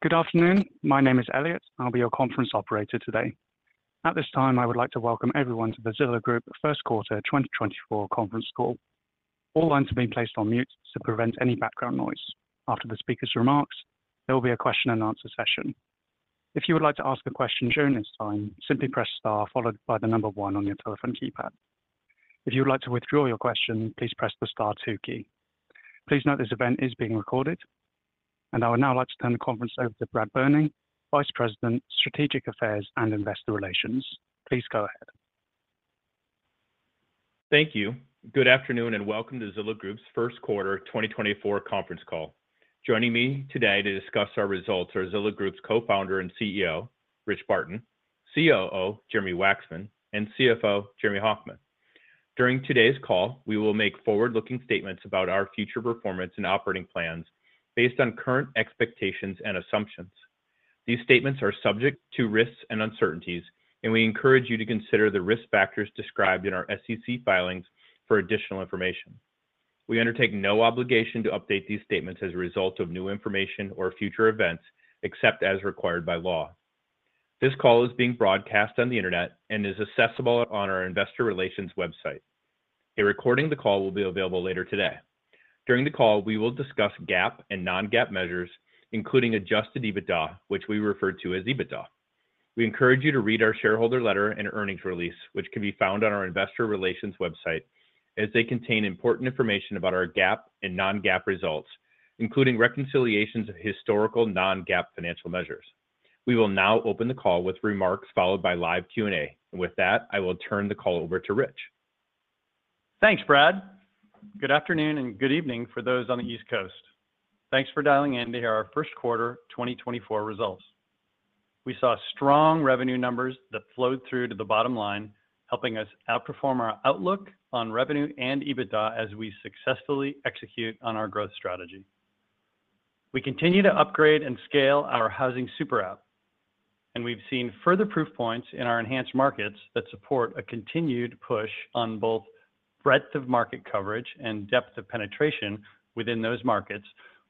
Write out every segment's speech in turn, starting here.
Good afternoon. My name is Elliot, and I'll be your conference operator today. At this time, I would like to welcome everyone to the Zillow Group First Quarter 2024 Conference Call. All lines have been placed on mute to prevent any background noise. After the speaker's remarks, there will be a question and answer session. If you would like to ask a question during this time, simply press star followed by the number one on your telephone keypad. If you would like to withdraw your question, please press the star two key. Please note, this event is being recorded, and I would now like to turn the conference over to Bradley Berning, Vice President, Strategic Affairs and Investor Relations. Please go ahead. Thank you. Good afternoon, and welcome to Zillow Group's First Quarter 2024 conference call. Joining me today to discuss our results are Zillow Group's Co-founder and CEO, Rich Barton, COO, Jeremy Wacksman, and CFO, Jeremy Hofmann. During today's call, we will make forward-looking statements about our future performance and operating plans based on current expectations and assumptions. These statements are subject to risks and uncertainties, and we encourage you to consider the risk factors described in our SEC filings for additional information. We undertake no obligation to update these statements as a result of new information or future events, except as required by law. This call is being broadcast on the Internet and is accessible on our investor relations website. A recording of the call will be available later today. During the call, we will discuss GAAP and non-GAAP measures, including adjusted EBITDA, which we refer to as EBITDA. We encourage you to read our shareholder letter and earnings release, which can be found on our investor relations website, as they contain important information about our GAAP and non-GAAP results, including reconciliations of historical non-GAAP financial measures. We will now open the call with remarks followed by live Q&A. With that, I will turn the call over to Rich. Thanks, Brad. Good afternoon, and good evening for those on the East Coast. Thanks for dialing in to hear our first quarter 2024 results. We saw strong revenue numbers that flowed through to the bottom line, helping us outperform our outlook on revenue and EBITDA as we successfully execute on our growth strategy. We continue to upgrade and scale our housing super app, and we've seen further proof points in our enhanced markets that support a continued push on both breadth of market coverage and depth of penetration within those markets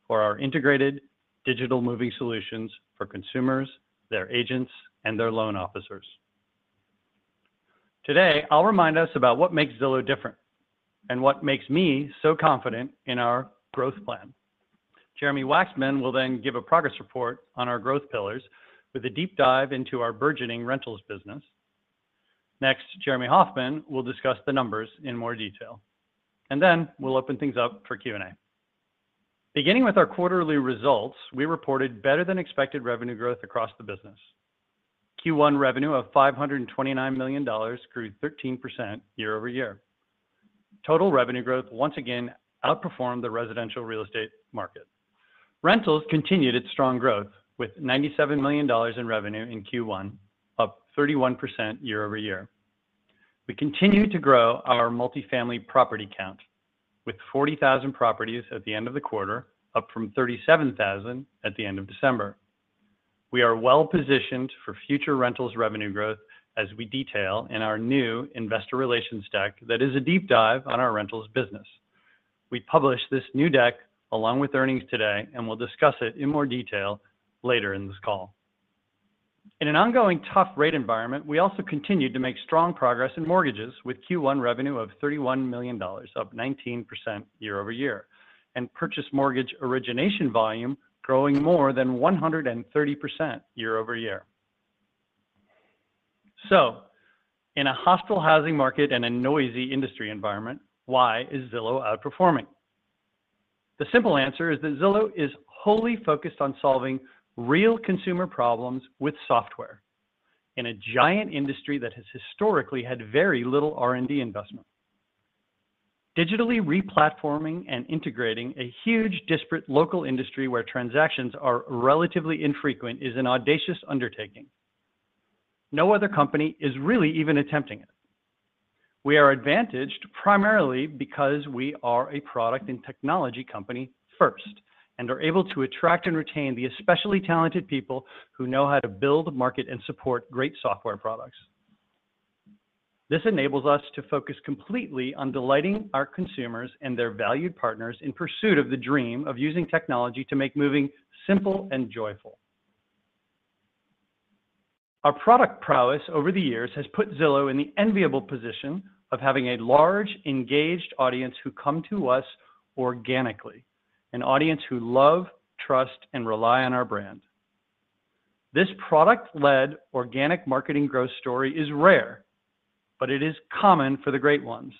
for our integrated digital moving solutions for consumers, their agents, and their loan officers. Today, I'll remind us about what makes Zillow different and what makes me so confident in our growth plan. Jeremy Wacksman will then give a progress report on our growth pillars with a deep dive into our burgeoning rentals business. Next, Jeremy Hofmann will discuss the numbers in more detail, and then we'll open things up for Q&A. Beginning with our quarterly results, we reported better-than-expected revenue growth across the business. Q1 revenue of $529 million grew 13% year-over-year. Total revenue growth once again outperformed the residential real estate market. Rentals continued its strong growth, with $97 million in revenue in Q1, up 31% year-over-year. We continued to grow our multifamily property count, with 40,000 properties at the end of the quarter, up from 37,000 at the end of December. We are well-positioned for future rentals revenue growth, as we detail in our new investor relations deck that is a deep dive on our rentals business. We published this new deck along with earnings today, and we'll discuss it in more detail later in this call. In an ongoing tough rate environment, we also continued to make strong progress in mortgages, with Q1 revenue of $31 million, up 19% year-over-year, and purchase mortgage origination volume growing more than 130% year-over-year. So in a hostile housing market and a noisy industry environment, why is Zillow outperforming? The simple answer is that Zillow is wholly focused on solving real consumer problems with software in a giant industry that has historically had very little R&D investment. Digitally re-platforming and integrating a huge, disparate local industry where transactions are relatively infrequent is an audacious undertaking. No other company is really even attempting it. We are advantaged primarily because we are a product and technology company first, and are able to attract and retain the especially talented people who know how to build, market, and support great software products. This enables us to focus completely on delighting our consumers and their valued partners in pursuit of the dream of using technology to make moving simple and joyful. Our product prowess over the years has put Zillow in the enviable position of having a large, engaged audience who come to us organically, an audience who love, trust, and rely on our brand. This product-led, organic marketing growth story is rare, but it is common for the great ones.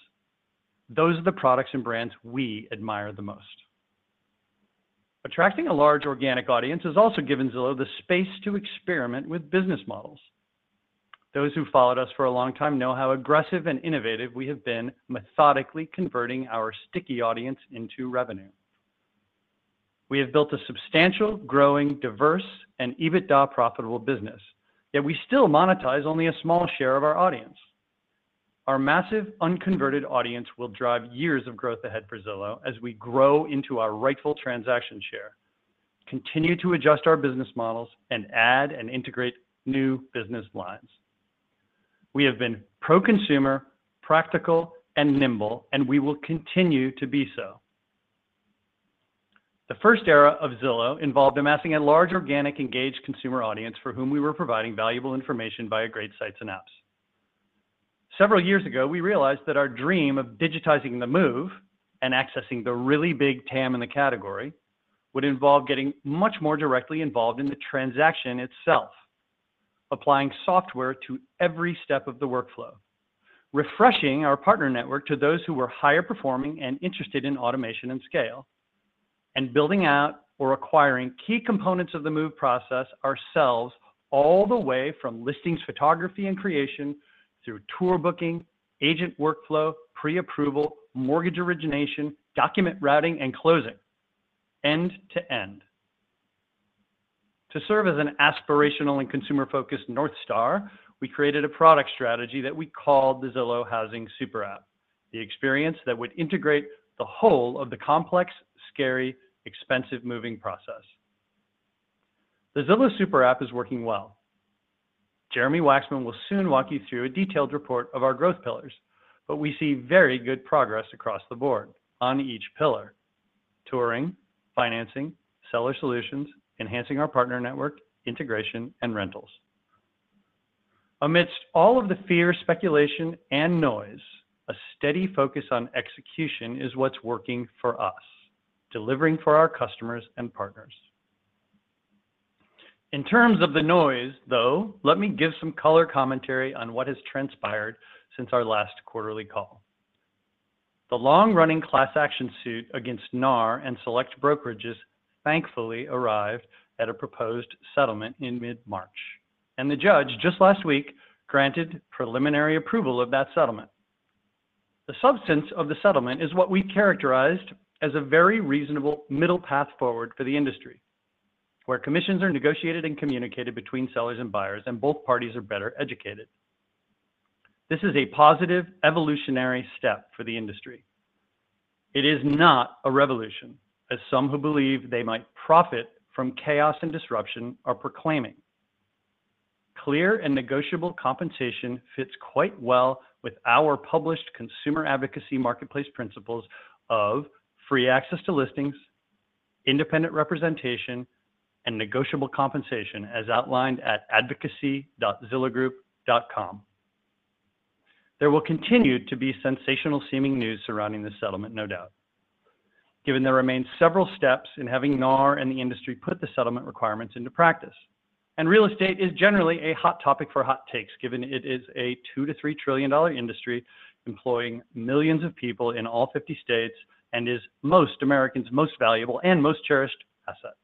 Those are the products and brands we admire the most. Attracting a large organic audience has also given Zillow the space to experiment with business models. Those who've followed us for a long time know how aggressive and innovative we have been, methodically converting our sticky audience into revenue. We have built a substantial, growing, diverse, and EBITDA-profitable business, yet we still monetize only a small share of our audience. Our massive, unconverted audience will drive years of growth ahead for Zillow as we grow into our rightful transaction share, continue to adjust our business models, and add and integrate new business lines. We have been pro-consumer, practical, and nimble, and we will continue to be so. The first era of Zillow involved amassing a large, organic, engaged consumer audience for whom we were providing valuable information via great sites and apps. Several years ago, we realized that our dream of digitizing the move and accessing the really big TAM in the category would involve getting much more directly involved in the transaction itself, applying software to every step of the workflow, refreshing our partner network to those who were higher performing and interested in automation and scale, and building out or acquiring key components of the move process ourselves, all the way from listings, photography, and creation through tour booking, agent workflow, pre-approval, mortgage origination, document routing, and closing, end to end. To serve as an aspirational and consumer-focused North Star, we created a product strategy that we called the Zillow Housing super app, the experience that would integrate the whole of the complex, scary, expensive moving process. The Zillow super app is working well. Jeremy Wacksman will soon walk you through a detailed report of our growth pillars, but we see very good progress across the board on each pillar: touring, financing, seller solutions, enhancing our partner network, integration, and rentals. Amidst all of the fear, speculation, and noise, a steady focus on execution is what's working for us, delivering for our customers and partners. In terms of the noise, though, let me give some color commentary on what has transpired since our last quarterly call. The long-running class action suit against NAR and select brokerages thankfully arrived at a proposed settlement in mid-March, and the judge, just last week, granted preliminary approval of that settlement. The substance of the settlement is what we characterized as a very reasonable middle path forward for the industry, where commissions are negotiated and communicated between sellers and buyers, and both parties are better educated. This is a positive evolutionary step for the industry. It is not a revolution, as some who believe they might profit from chaos and disruption are proclaiming. Clear and negotiable compensation fits quite well with our published consumer advocacy marketplace principles of free access to listings, independent representation, and negotiable compensation, as outlined at advocacy.zillowgroup.com. There will continue to be sensational-seeming news surrounding this settlement, no doubt, given there remain several steps in having NAR and the industry put the settlement requirements into practice. And real estate is generally a hot topic for hot takes, given it is a $2-$3 trillion industry employing millions of people in all 50 states, and is most Americans' most valuable and most cherished asset.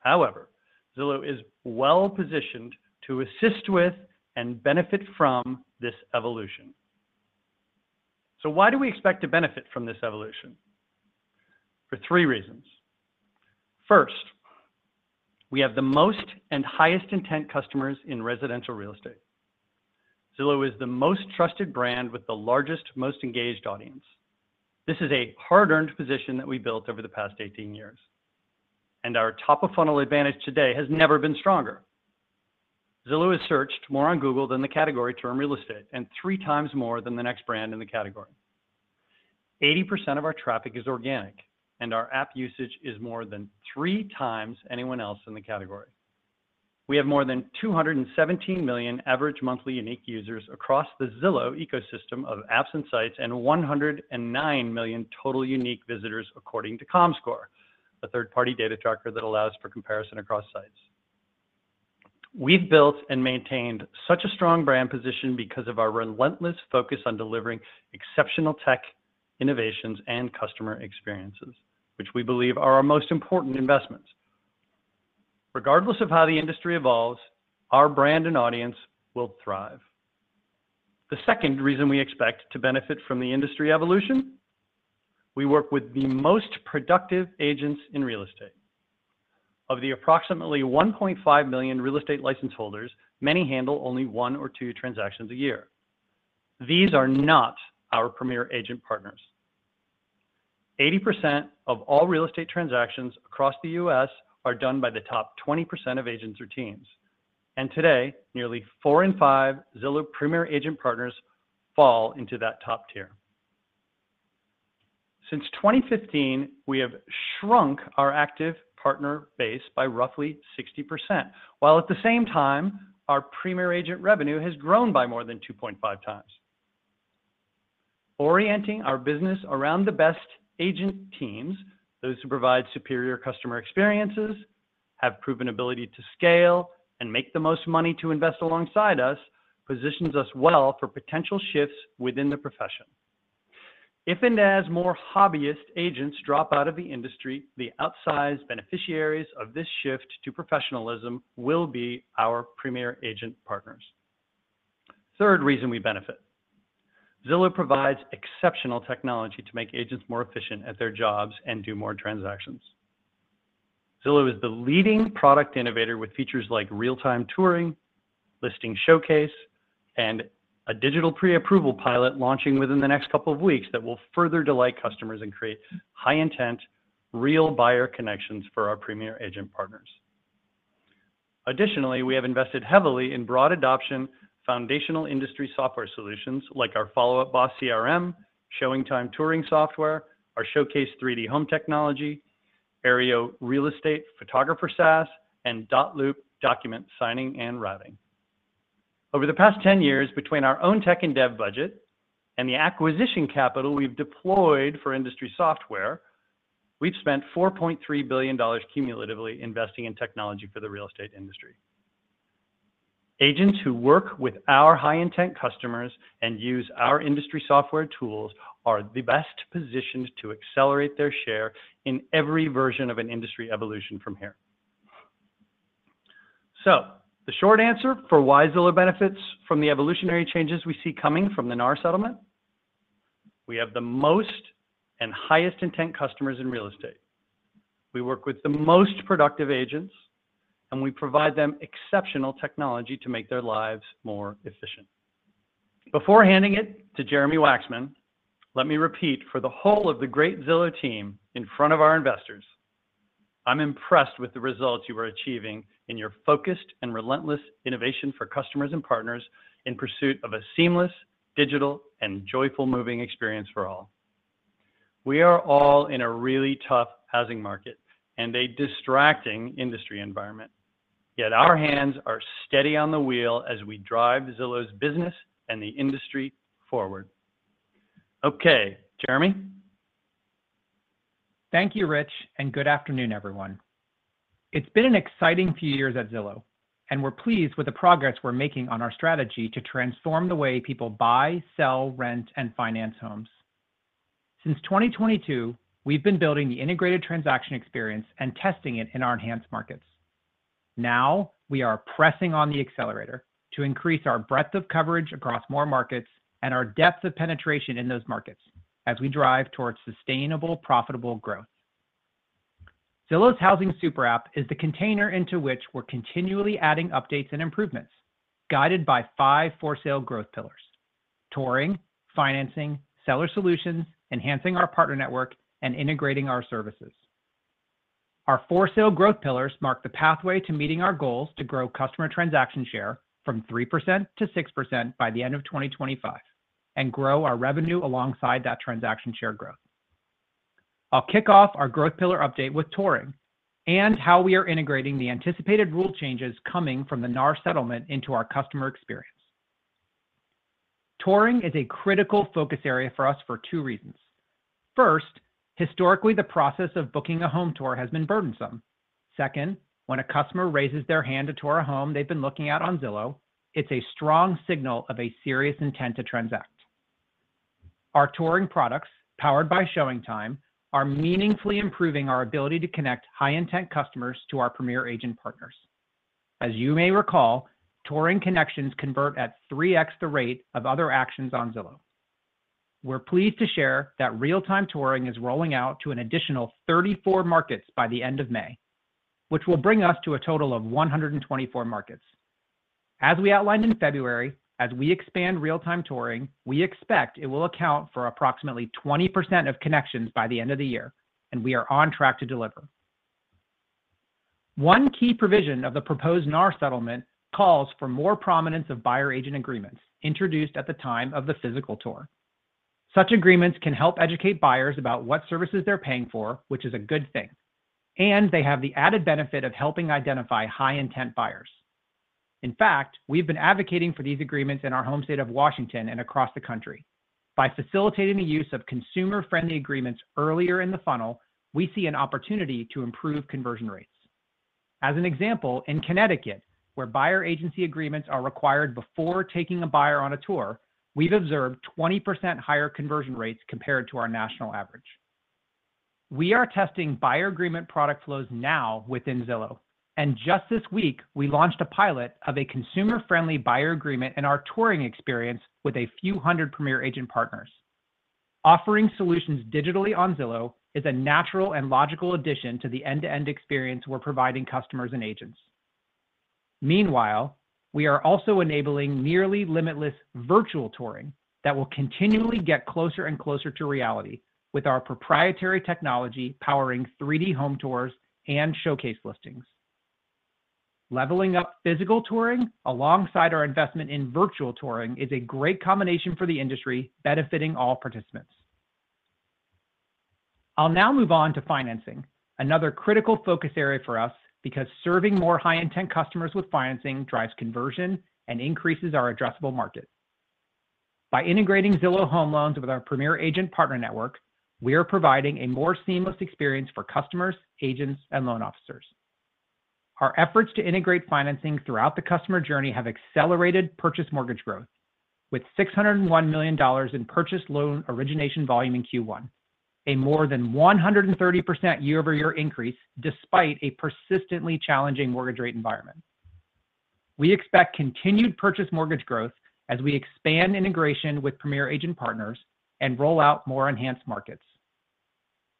However, Zillow is well-positioned to assist with and benefit from this evolution. So why do we expect to benefit from this evolution? For three reasons. First, we have the most and highest intent customers in residential real estate. Zillow is the most trusted brand with the largest, most engaged audience. This is a hard-earned position that we built over the past 18 years, and our top-of-funnel advantage today has never been stronger. Zillow is searched more on Google than the category term real estate, and three times more than the next brand in the category. 80% of our traffic is organic, and our app usage is more than three times anyone else in the category. We have more than 217 million average monthly unique users across the Zillow ecosystem of apps and sites, and 109 million total unique visitors, according to Comscore, a third-party data tracker that allows for comparison across sites. We've built and maintained such a strong brand position because of our relentless focus on delivering exceptional tech, innovations, and customer experiences, which we believe are our most important investments. Regardless of how the industry evolves, our brand and audience will thrive. The second reason we expect to benefit from the industry evolution. We work with the most productive agents in real estate. Of the approximately 1.5 million real estate license holders, many handle only one or two transactions a year. These are not our Premier Agent partners. 80% of all real estate transactions across the U.S. are done by the top 20% of agents or teams, and today, nearly four in five Zillow Premier Agent partners fall into that top tier. Since 2015, we have shrunk our active partner base by roughly 60%, while at the same time, our Premier Agent revenue has grown by more than 2.5 times. Orienting our business around the best agent teams, those who provide superior customer experiences, have proven ability to scale, and make the most money to invest alongside us, positions us well for potential shifts within the profession. If and as more hobbyist agents drop out of the industry, the outsized beneficiaries of this shift to professionalism will be our Premier Agent partners. Third reason we benefit, Zillow provides exceptional technology to make agents more efficient at their jobs and do more transactions. Zillow is the leading product innovator, with features like Real-Time Touring, Listing Showcase, and a digital pre-approval pilot launching within the next couple of weeks that will further delight customers and create high intent-... real buyer connections for our Premier Agent partners. Additionally, we have invested heavily in broad adoption, foundational industry software solutions, like our Follow Up Boss CRM, ShowingTime touring software, our Showcase 3D home technology, Aryeo, real estate photographer SaaS, and Dotloop document signing and routing. Over the past 10 years, between our own tech and dev budget and the acquisition capital we've deployed for industry software, we've spent $4.3 billion cumulatively investing in technology for the real estate industry. Agents who work with our high-intent customers and use our industry software tools are the best positioned to accelerate their share in every version of an industry evolution from here. So the short answer for why Zillow benefits from the evolutionary changes we see coming from the NAR settlement, we have the most and highest intent customers in real estate. We work with the most productive agents, and we provide them exceptional technology to make their lives more efficient. Before handing it to Jeremy Wacksman, let me repeat, for the whole of the great Zillow team in front of our investors, I'm impressed with the results you are achieving in your focused and relentless innovation for customers and partners in pursuit of a seamless, digital, and joyful moving experience for all. We are all in a really tough housing market and a distracting industry environment, yet our hands are steady on the wheel as we drive Zillow's business and the industry forward. Okay, Jeremy? Thank you, Rich, and good afternoon, everyone. It's been an exciting few years at Zillow, and we're pleased with the progress we're making on our strategy to transform the way people buy, sell, rent, and finance homes. Since 2022, we've been building the integrated transaction experience and testing it in our enhanced markets. Now, we are pressing on the accelerator to increase our breadth of coverage across more markets and our depth of penetration in those markets as we drive towards sustainable, profitable growth. Zillow's housing super app is the container into which we're continually adding updates and improvements, guided by five for-sale growth pillars: touring, financing, seller solutions, enhancing our partner network, and integrating our services. Our for-sale growth pillars mark the pathway to meeting our goals to grow customer transaction share from 3% to 6% by the end of 2025 and grow our revenue alongside that transaction share growth. I'll kick off our growth pillar update with touring and how we are integrating the anticipated rule changes coming from the NAR settlement into our customer experience. Touring is a critical focus area for us for two reasons. First, historically, the process of booking a home tour has been burdensome. Second, when a customer raises their hand to tour a home they've been looking at on Zillow, it's a strong signal of a serious intent to transact. Our touring products, powered by ShowingTime, are meaningfully improving our ability to connect high-intent customers to our Premier Agent partners. As you may recall, touring connections convert at 3x the rate of other actions on Zillow. We're pleased to share that real-time touring is rolling out to an additional 34 markets by the end of May, which will bring us to a total of 124 markets. As we outlined in February, as we expand real-time touring, we expect it will account for approximately 20% of connections by the end of the year, and we are on track to deliver. One key provision of the proposed NAR settlement calls for more prominence of buyer agent agreements introduced at the time of the physical tour. Such agreements can help educate buyers about what services they're paying for, which is a good thing, and they have the added benefit of helping identify high-intent buyers. In fact, we've been advocating for these agreements in our home state of Washington and across the country. By facilitating the use of consumer-friendly agreements earlier in the funnel, we see an opportunity to improve conversion rates. As an example, in Connecticut, where buyer agency agreements are required before taking a buyer on a tour, we've observed 20% higher conversion rates compared to our national average. We are testing buyer agreement product flows now within Zillow, and just this week, we launched a pilot of a consumer-friendly buyer agreement in our touring experience with a few hundred Premier Agent partners. Offering solutions digitally on Zillow is a natural and logical addition to the end-to-end experience we're providing customers and agents. Meanwhile, we are also enabling nearly limitless virtual touring that will continually get closer and closer to reality with our proprietary technology powering 3D home tours and Showcase listings. Leveling up physical touring alongside our investment in virtual touring is a great combination for the industry, benefiting all participants. I'll now move on to financing, another critical focus area for us because serving more high-intent customers with financing drives conversion and increases our addressable market. By integrating Zillow Home Loans with our Premier Agent partner network, we are providing a more seamless experience for customers, agents, and loan officers. Our efforts to integrate financing throughout the customer journey have accelerated purchase mortgage growth with $601 million in purchase loan origination volume in Q1, a more than 130% year-over-year increase, despite a persistently challenging mortgage rate environment. We expect continued purchase mortgage growth as we expand integration with Premier Agent partners and roll out more enhanced markets.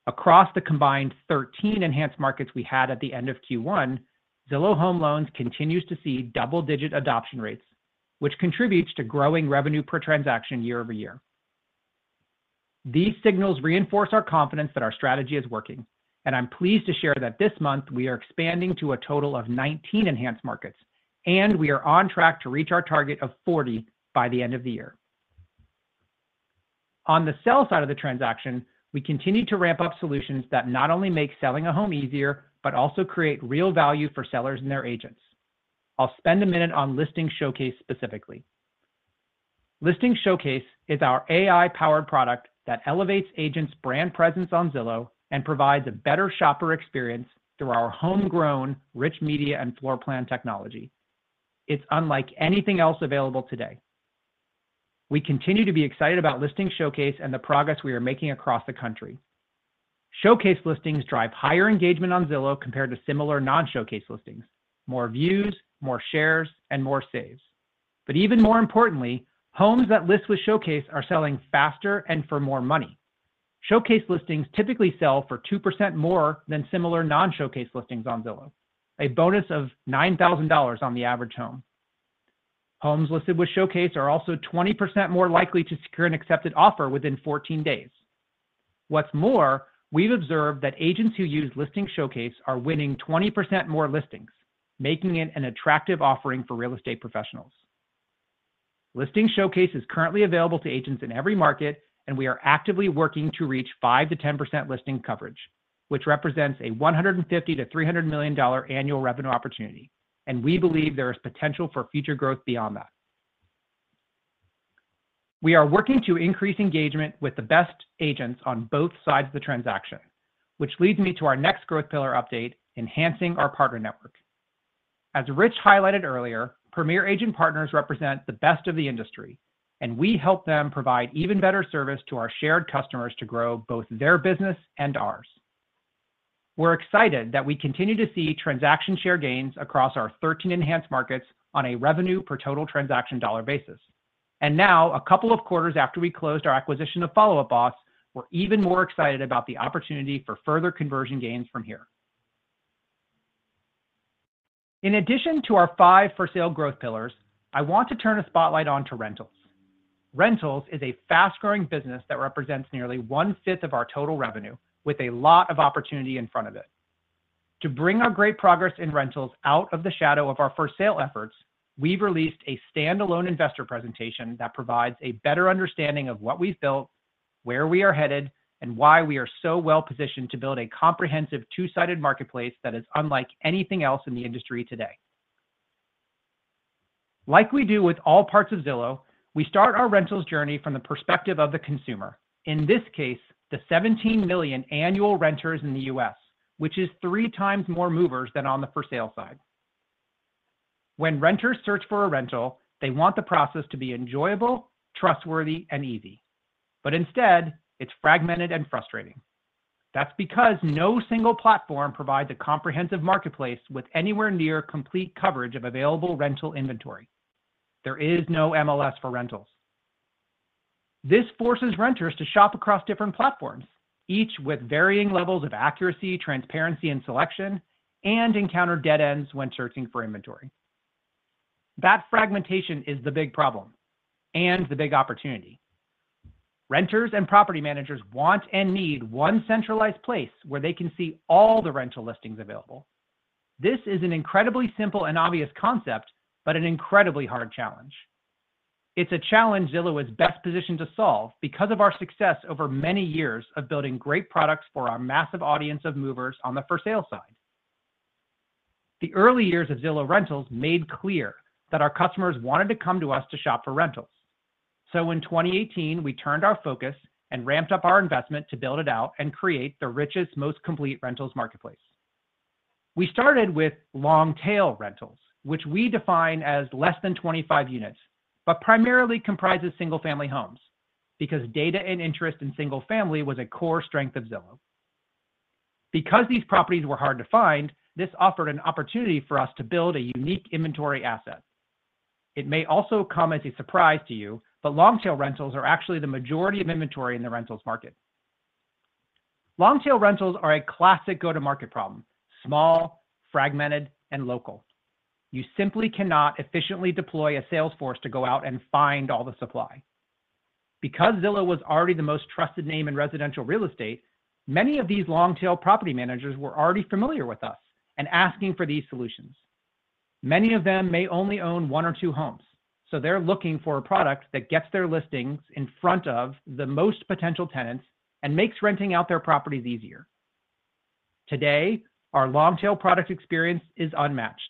Across the combined 13 enhanced markets we had at the end of Q1, Zillow Home Loans continues to see double-digit adoption rates, which contributes to growing revenue per transaction year over year. These signals reinforce our confidence that our strategy is working, and I'm pleased to share that this month we are expanding to a total of 19 enhanced markets, and we are on track to reach our target of 40 by the end of the year. On the sell side of the transaction, we continue to ramp up solutions that not only make selling a home easier, but also create real value for sellers and their agents. I'll spend a minute on Listing Showcase specifically. Listing Showcase is our AI-powered product that elevates agents' brand presence on Zillow and provides a better shopper experience through our homegrown rich media and floor plan technology. It's unlike anything else available today. We continue to be excited about Listing Showcase and the progress we are making across the country. Showcase listings drive higher engagement on Zillow compared to similar non-Showcase listings, more views, more shares, and more saves. But even more importantly, homes that list with Showcase are selling faster and for more money. Showcase listings typically sell for 2% more than similar non-Showcase listings on Zillow, a bonus of $9,000 on the average home. Homes listed with Showcase are also 20% more likely to secure an accepted offer within 14 days. What's more, we've observed that agents who use Listing Showcase are winning 20% more listings, making it an attractive offering for real estate professionals. Listing Showcase is currently available to agents in every market, and we are actively working to reach 5%-10% listing coverage, which represents a $150-$300 million annual revenue opportunity, and we believe there is potential for future growth beyond that. We are working to increase engagement with the best agents on both sides of the transaction, which leads me to our next growth pillar update, enhancing our partner network. As Rich highlighted earlier, Premier Agent partners represent the best of the industry, and we help them provide even better service to our shared customers to grow both their business and ours. We're excited that we continue to see transaction share gains across our 13 enhanced markets on a revenue per total transaction dollar basis. Now, a couple of quarters after we closed our acquisition of Follow Up Boss, we're even more excited about the opportunity for further conversion gains from here. In addition to our five for sale growth pillars, I want to turn a spotlight on to rentals. Rentals is a fast-growing business that represents nearly one-fifth of our total revenue, with a lot of opportunity in front of it. To bring our great progress in rentals out of the shadow of our for-sale efforts, we've released a standalone investor presentation that provides a better understanding of what we've built, where we are headed, and why we are so well-positioned to build a comprehensive, two-sided marketplace that is unlike anything else in the industry today. Like we do with all parts of Zillow, we start our rentals journey from the perspective of the consumer. In this case, the 17 million annual renters in the U.S., which is three times more movers than on the for sale side. When renters search for a rental, they want the process to be enjoyable, trustworthy, and easy. But instead, it's fragmented and frustrating. That's because no single platform provides a comprehensive marketplace with anywhere near complete coverage of available rental inventory. There is no MLS for rentals. This forces renters to shop across different platforms, each with varying levels of accuracy, transparency, and selection, and encounter dead ends when searching for inventory. That fragmentation is the big problem and the big opportunity. Renters and property managers want and need one centralized place where they can see all the rental listings available. This is an incredibly simple and obvious concept, but an incredibly hard challenge. It's a challenge Zillow is best positioned to solve because of our success over many years of building great products for our massive audience of movers on the for sale side. The early years of Zillow Rentals made clear that our customers wanted to come to us to shop for rentals. So in 2018, we turned our focus and ramped up our investment to build it out and create the richest, most complete rentals marketplace. We started with long-tail rentals, which we define as less than 25 units, but primarily comprises single-family homes, because data and interest in single-family was a core strength of Zillow. Because these properties were hard to find, this offered an opportunity for us to build a unique inventory asset. It may also come as a surprise to you, but long-tail rentals are actually the majority of inventory in the rentals market. Long-tail rentals are a classic go-to-market problem: small, fragmented, and local. You simply cannot efficiently deploy a sales force to go out and find all the supply. Because Zillow was already the most trusted name in residential real estate, many of these long-tail property managers were already familiar with us and asking for these solutions. Many of them may only own one or two homes, so they're looking for a product that gets their listings in front of the most potential tenants and makes renting out their properties easier. Today, our long-tail product experience is unmatched.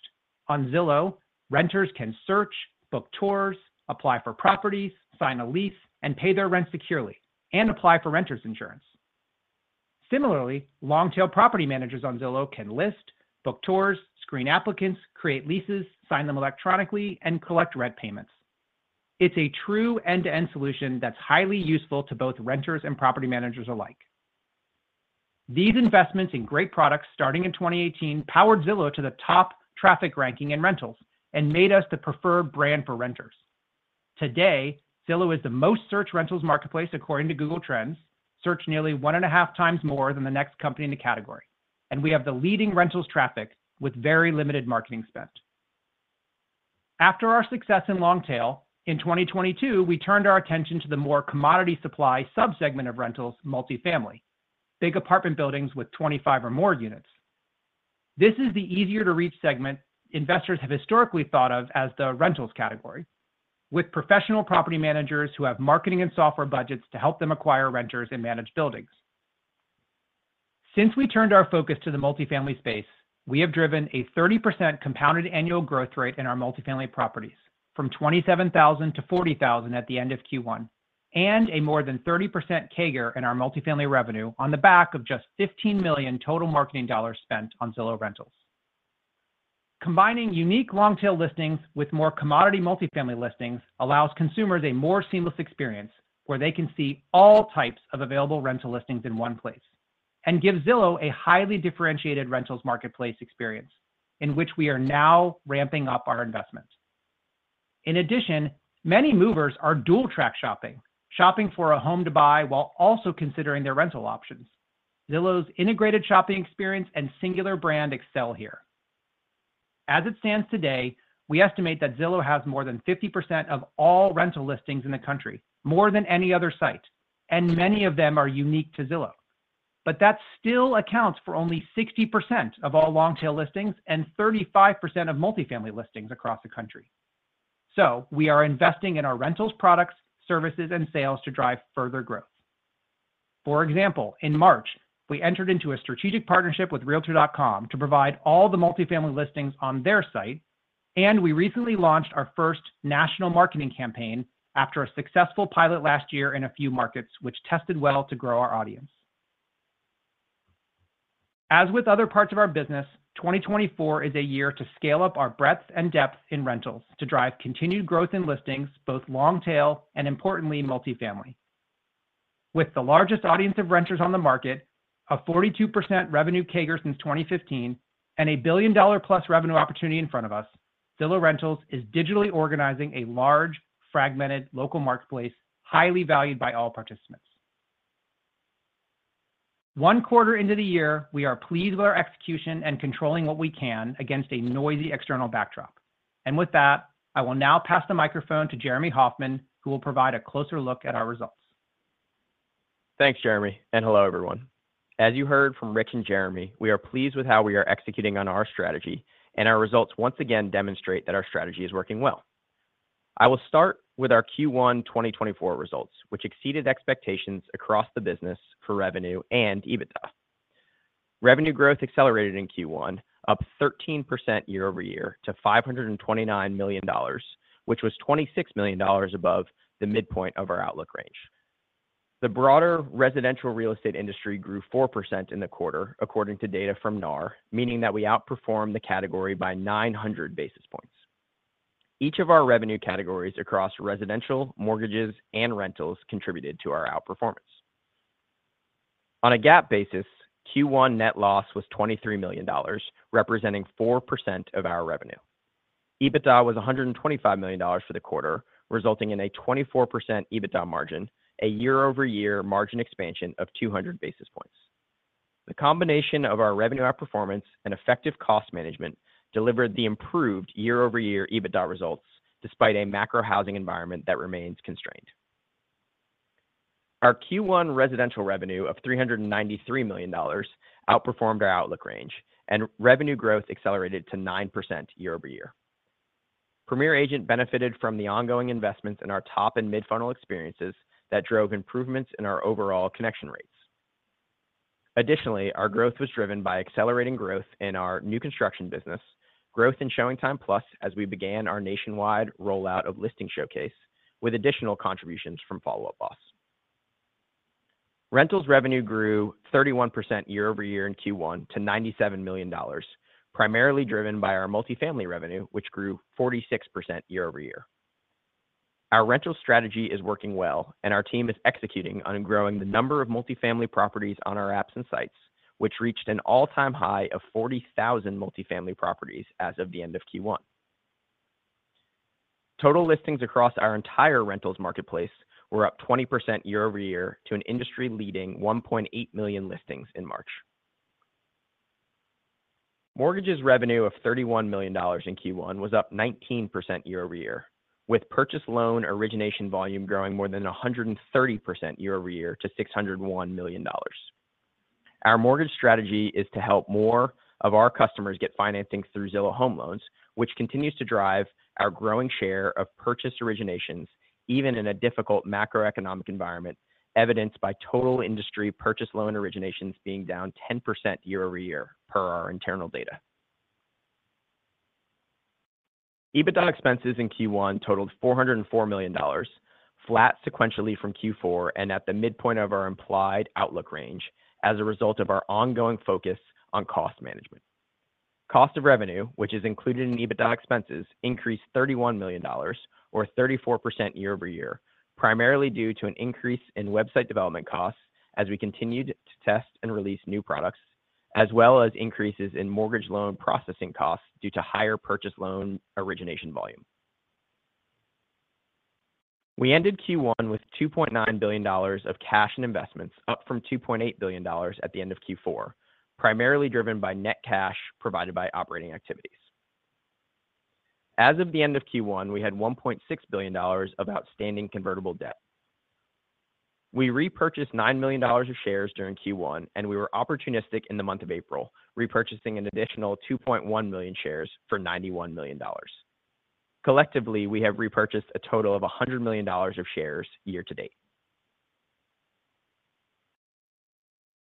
On Zillow, renters can search, book tours, apply for properties, sign a lease, and pay their rent securely, and apply for renters insurance. Similarly, long-tail property managers on Zillow can list, book tours, screen applicants, create leases, sign them electronically, and collect rent payments. It's a true end-to-end solution that's highly useful to both renters and property managers alike. These investments in great products, starting in 2018, powered Zillow to the top traffic ranking in rentals and made us the preferred brand for renters. Today, Zillow is the most searched rentals marketplace, according to Google Trends, searched nearly one and half times more than the next company in the category, and we have the leading rentals traffic with very limited marketing spend. After our success in long-tail, in 2022, we turned our attention to the more commodity supply sub-segment of rentals, multifamily, big apartment buildings with 25 or more units. This is the easier-to-reach segment investors have historically thought of as the rentals category, with professional property managers who have marketing and software budgets to help them acquire renters and manage buildings. Since we turned our focus to the multifamily space, we have driven a 30% compounded annual growth rate in our multifamily properties, from 27,000-40,000 at the end of Q1, and a more than 30% CAGR in our multifamily revenue on the back of just $15 million total marketing dollars spent on Zillow Rentals. Combining unique long-tail listings with more commodity multifamily listings allows consumers a more seamless experience, where they can see all types of available rental listings in one place, and gives Zillow a highly differentiated rentals marketplace experience, in which we are now ramping up our investments. In addition, many movers are dual-track shopping, shopping for a home to buy while also considering their rental options. Zillow's integrated shopping experience and singular brand excel here. As it stands today, we estimate that Zillow has more than 50% of all rental listings in the country, more than any other site, and many of them are unique to Zillow. But that still accounts for only 60% of all long-tail listings and 35% of multifamily listings across the country. So we are investing in our rentals, products, services, and sales to drive further growth. For example, in March, we entered into a strategic partnership with Realtor.com to provide all the multifamily listings on their site, and we recently launched our first national marketing campaign after a successful pilot last year in a few markets, which tested well to grow our audience. As with other parts of our business, 2024 is a year to scale up our breadth and depth in rentals to drive continued growth in listings, both long tail and importantly, multifamily. With the largest audience of renters on the market, a 42% revenue CAGR since 2015, and a billion-dollar-plus revenue opportunity in front of us, Zillow Rentals is digitally organizing a large, fragmented local marketplace, highly valued by all participants. One quarter into the year, we are pleased with our execution and controlling what we can against a noisy external backdrop. With that, I will now pass the microphone to Jeremy Hofmann, who will provide a closer look at our results. Thanks, Jeremy, and hello, everyone. As you heard from Rich and Jeremy, we are pleased with how we are executing on our strategy, and our results once again demonstrate that our strategy is working well. I will start with our Q1 2024 results, which exceeded expectations across the business for revenue and EBITDA. Revenue growth accelerated in Q1, up 13% year over year to $529 million, which was $26 million above the midpoint of our outlook range. The broader residential real estate industry grew 4% in the quarter, according to data from NAR, meaning that we outperformed the category by 900 basis points. Each of our revenue categories across residential, mortgages, and rentals contributed to our outperformance. On a GAAP basis, Q1 net loss was $23 million, representing 4% of our revenue. EBITDA was $125 million for the quarter, resulting in a 24% EBITDA margin, a year-over-year margin expansion of 200 basis points. The combination of our revenue outperformance and effective cost management delivered the improved year-over-year EBITDA results, despite a macro housing environment that remains constrained. Our Q1 residential revenue of $393 million outperformed our outlook range, and revenue growth accelerated to 9% year over year. Premier Agent benefited from the ongoing investments in our top and mid-funnel experiences that drove improvements in our overall connection rates. Additionally, our growth was driven by accelerating growth in our new construction business, growth in ShowingTime Plus, as we began our nationwide rollout of Listing Showcase, with additional contributions from Follow Up Boss. Rentals revenue grew 31% year-over-year in Q1 to $97 million, primarily driven by our multifamily revenue, which grew 46% year-over-year. Our rental strategy is working well, and our team is executing on growing the number of multifamily properties on our apps and sites, which reached an all-time high of 40,000 multifamily properties as of the end of Q1. Total listings across our entire rentals marketplace were up 20% year-over-year to an industry-leading 1.8 million listings in March. Mortgages revenue of $31 million in Q1 was up 19% year-over-year, with purchase loan origination volume growing more than 130% year-over-year to $601 million. Our mortgage strategy is to help more of our customers get financing through Zillow Home Loans, which continues to drive our growing share of purchase originations, even in a difficult macroeconomic environment, evidenced by total industry purchase loan originations being down 10% year-over-year per our internal data. EBITDA expenses in Q1 totaled $404 million, flat sequentially from Q4 and at the midpoint of our implied outlook range as a result of our ongoing focus on cost management. Cost of revenue, which is included in EBITDA expenses, increased $31 million or 34% year-over-year, primarily due to an increase in website development costs as we continued to test and release new products, as well as increases in mortgage loan processing costs due to higher purchase loan origination volume. We ended Q1 with $2.9 billion of cash and investments, up from $2.8 billion at the end of Q4, primarily driven by net cash provided by operating activities. As of the end of Q1, we had $1.6 billion of outstanding convertible debt. We repurchased $9 million of shares during Q1, and we were opportunistic in the month of April, repurchasing an additional 2.1 million shares for $91 million. Collectively, we have repurchased a total of $100 million of shares year to date.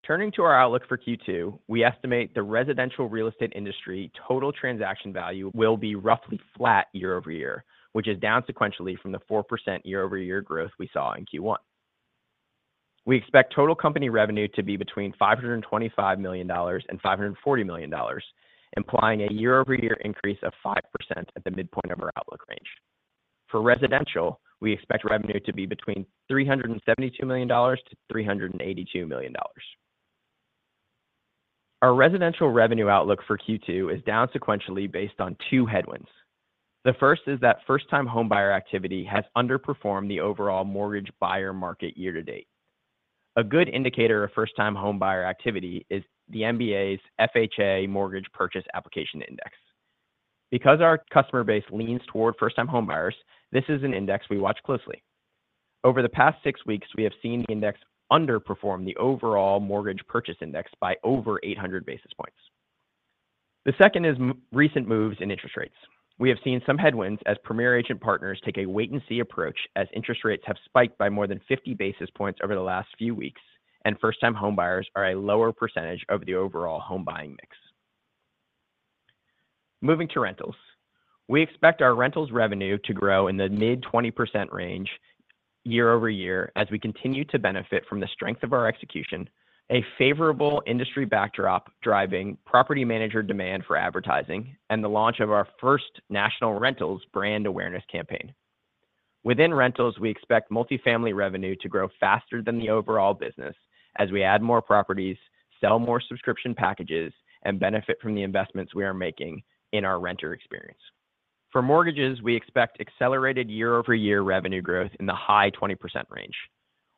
Turning to our outlook for Q2, we estimate the residential real estate industry total transaction value will be roughly flat year-over-year, which is down sequentially from the 4% year-over-year growth we saw in Q1. We expect total company revenue to be between $525 million and $540 million, implying a year-over-year increase of 5% at the midpoint of our outlook range. For residential, we expect revenue to be between $372million-$382 million. Our residential revenue outlook for Q2 is down sequentially based on two headwinds. The first is that first-time homebuyer activity has underperformed the overall mortgage buyer market year to date. A good indicator of first-time homebuyer activity is the MBA's FHA mortgage purchase application index. Because our customer base leans toward first-time homebuyers, this is an index we watch closely. Over the past six weeks, we have seen the index underperform the overall mortgage purchase index by over 800 basis points. The second is recent moves in interest rates. We have seen some headwinds as Premier Agent partners take a wait-and-see approach, as interest rates have spiked by more than 50 basis points over the last few weeks, and first-time homebuyers are a lower percentage of the overall home buying mix. Moving to rentals. We expect our rentals revenue to grow in the mid-20% range year-over-year, as we continue to benefit from the strength of our execution, a favorable industry backdrop driving property manager demand for advertising, and the launch of our first national rentals brand awareness campaign. Within rentals, we expect multifamily revenue to grow faster than the overall business as we add more properties, sell more subscription packages, and benefit from the investments we are making in our renter experience. For mortgages, we expect accelerated year-over-year revenue growth in the high 20% range.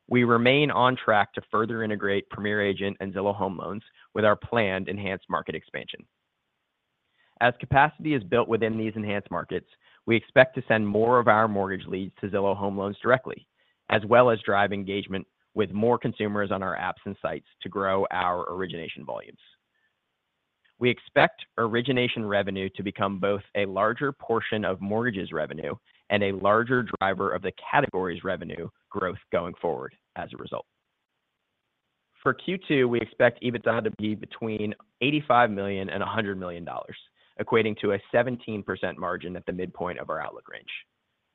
We remain on track to further integrate Premier Agent and Zillow Home Loans with our planned enhanced market expansion. As capacity is built within these enhanced markets, we expect to send more of our mortgage leads to Zillow Home Loans directly, as well as drive engagement with more consumers on our apps and sites to grow our origination volumes. We expect origination revenue to become both a larger portion of mortgages revenue and a larger driver of the categories revenue growth going forward as a result. For Q2, we expect EBITDA to be between $85 million and $100 million, equating to a 17% margin at the midpoint of our outlook range.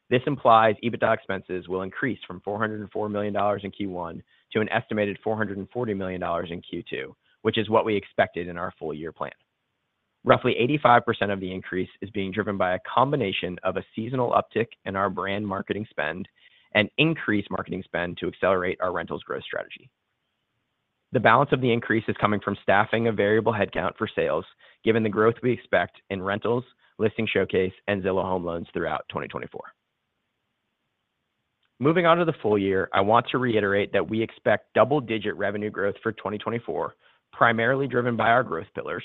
This implies EBITDA expenses will increase from $404 million in Q1 to an estimated $440 million in Q2, which is what we expected in our full year plan. Roughly 85% of the increase is being driven by a combination of a seasonal uptick in our brand marketing spend and increased marketing spend to accelerate our rentals growth strategy. The balance of the increase is coming from staffing a variable headcount for sales, given the growth we expect in rentals, Listing Showcase, and Zillow Home Loans throughout 2024. Moving on to the full year, I want to reiterate that we expect double-digit revenue growth for 2024, primarily driven by our growth pillars,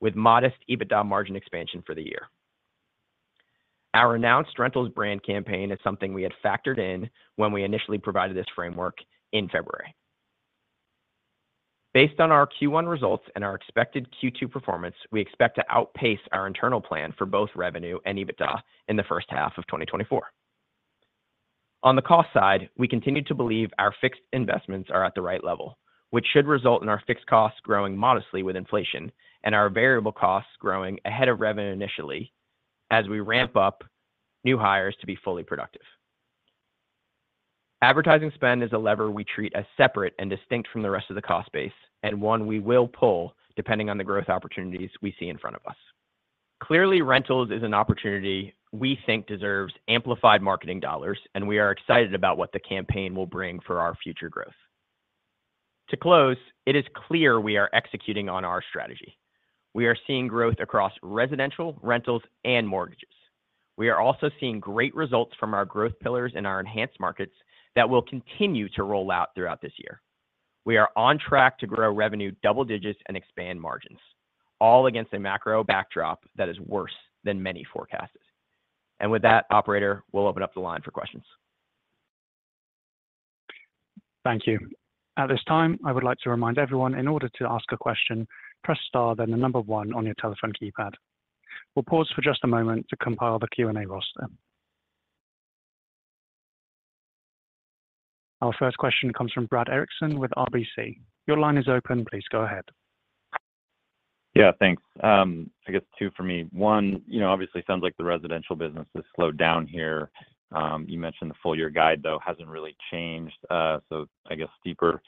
with modest EBITDA margin expansion for the year. Our announced rentals brand campaign is something we had factored in when we initially provided this framework in February. Based on our Q1 results and our expected Q2 performance, we expect to outpace our internal plan for both revenue and EBITDA in the first half of 2024. On the cost side, we continue to believe our fixed investments are at the right level, which should result in our fixed costs growing modestly with inflation and our variable costs growing ahead of revenue initially as we ramp up new hires to be fully productive. Advertising spend is a lever we treat as separate and distinct from the rest of the cost base, and one we will pull depending on the growth opportunities we see in front of us. Clearly, rentals is an opportunity we think deserves amplified marketing dollars, and we are excited about what the campaign will bring for our future growth. To close, it is clear we are executing on our strategy. We are seeing growth across residential, rentals, and mortgages. We are also seeing great results from our growth pillars in our enhanced markets that will continue to roll out throughout this year. We are on track to grow revenue double digits and expand margins, all against a macro backdrop that is worse than many forecasted. With that, operator, we'll open up the line for questions. Thank you. At this time, I would like to remind everyone, in order to ask a question, press star, then the number one on your telephone keypad. We'll pause for just a moment to compile the Q&A roster. Our first question comes from Brad Erickson with RBC. Your line is open. Please go ahead. Yeah, thanks. I guess two for me. One, you know, obviously, sounds like the residential business has slowed down here. You mentioned the full year guide, though, hasn't really changed. So I guess steeper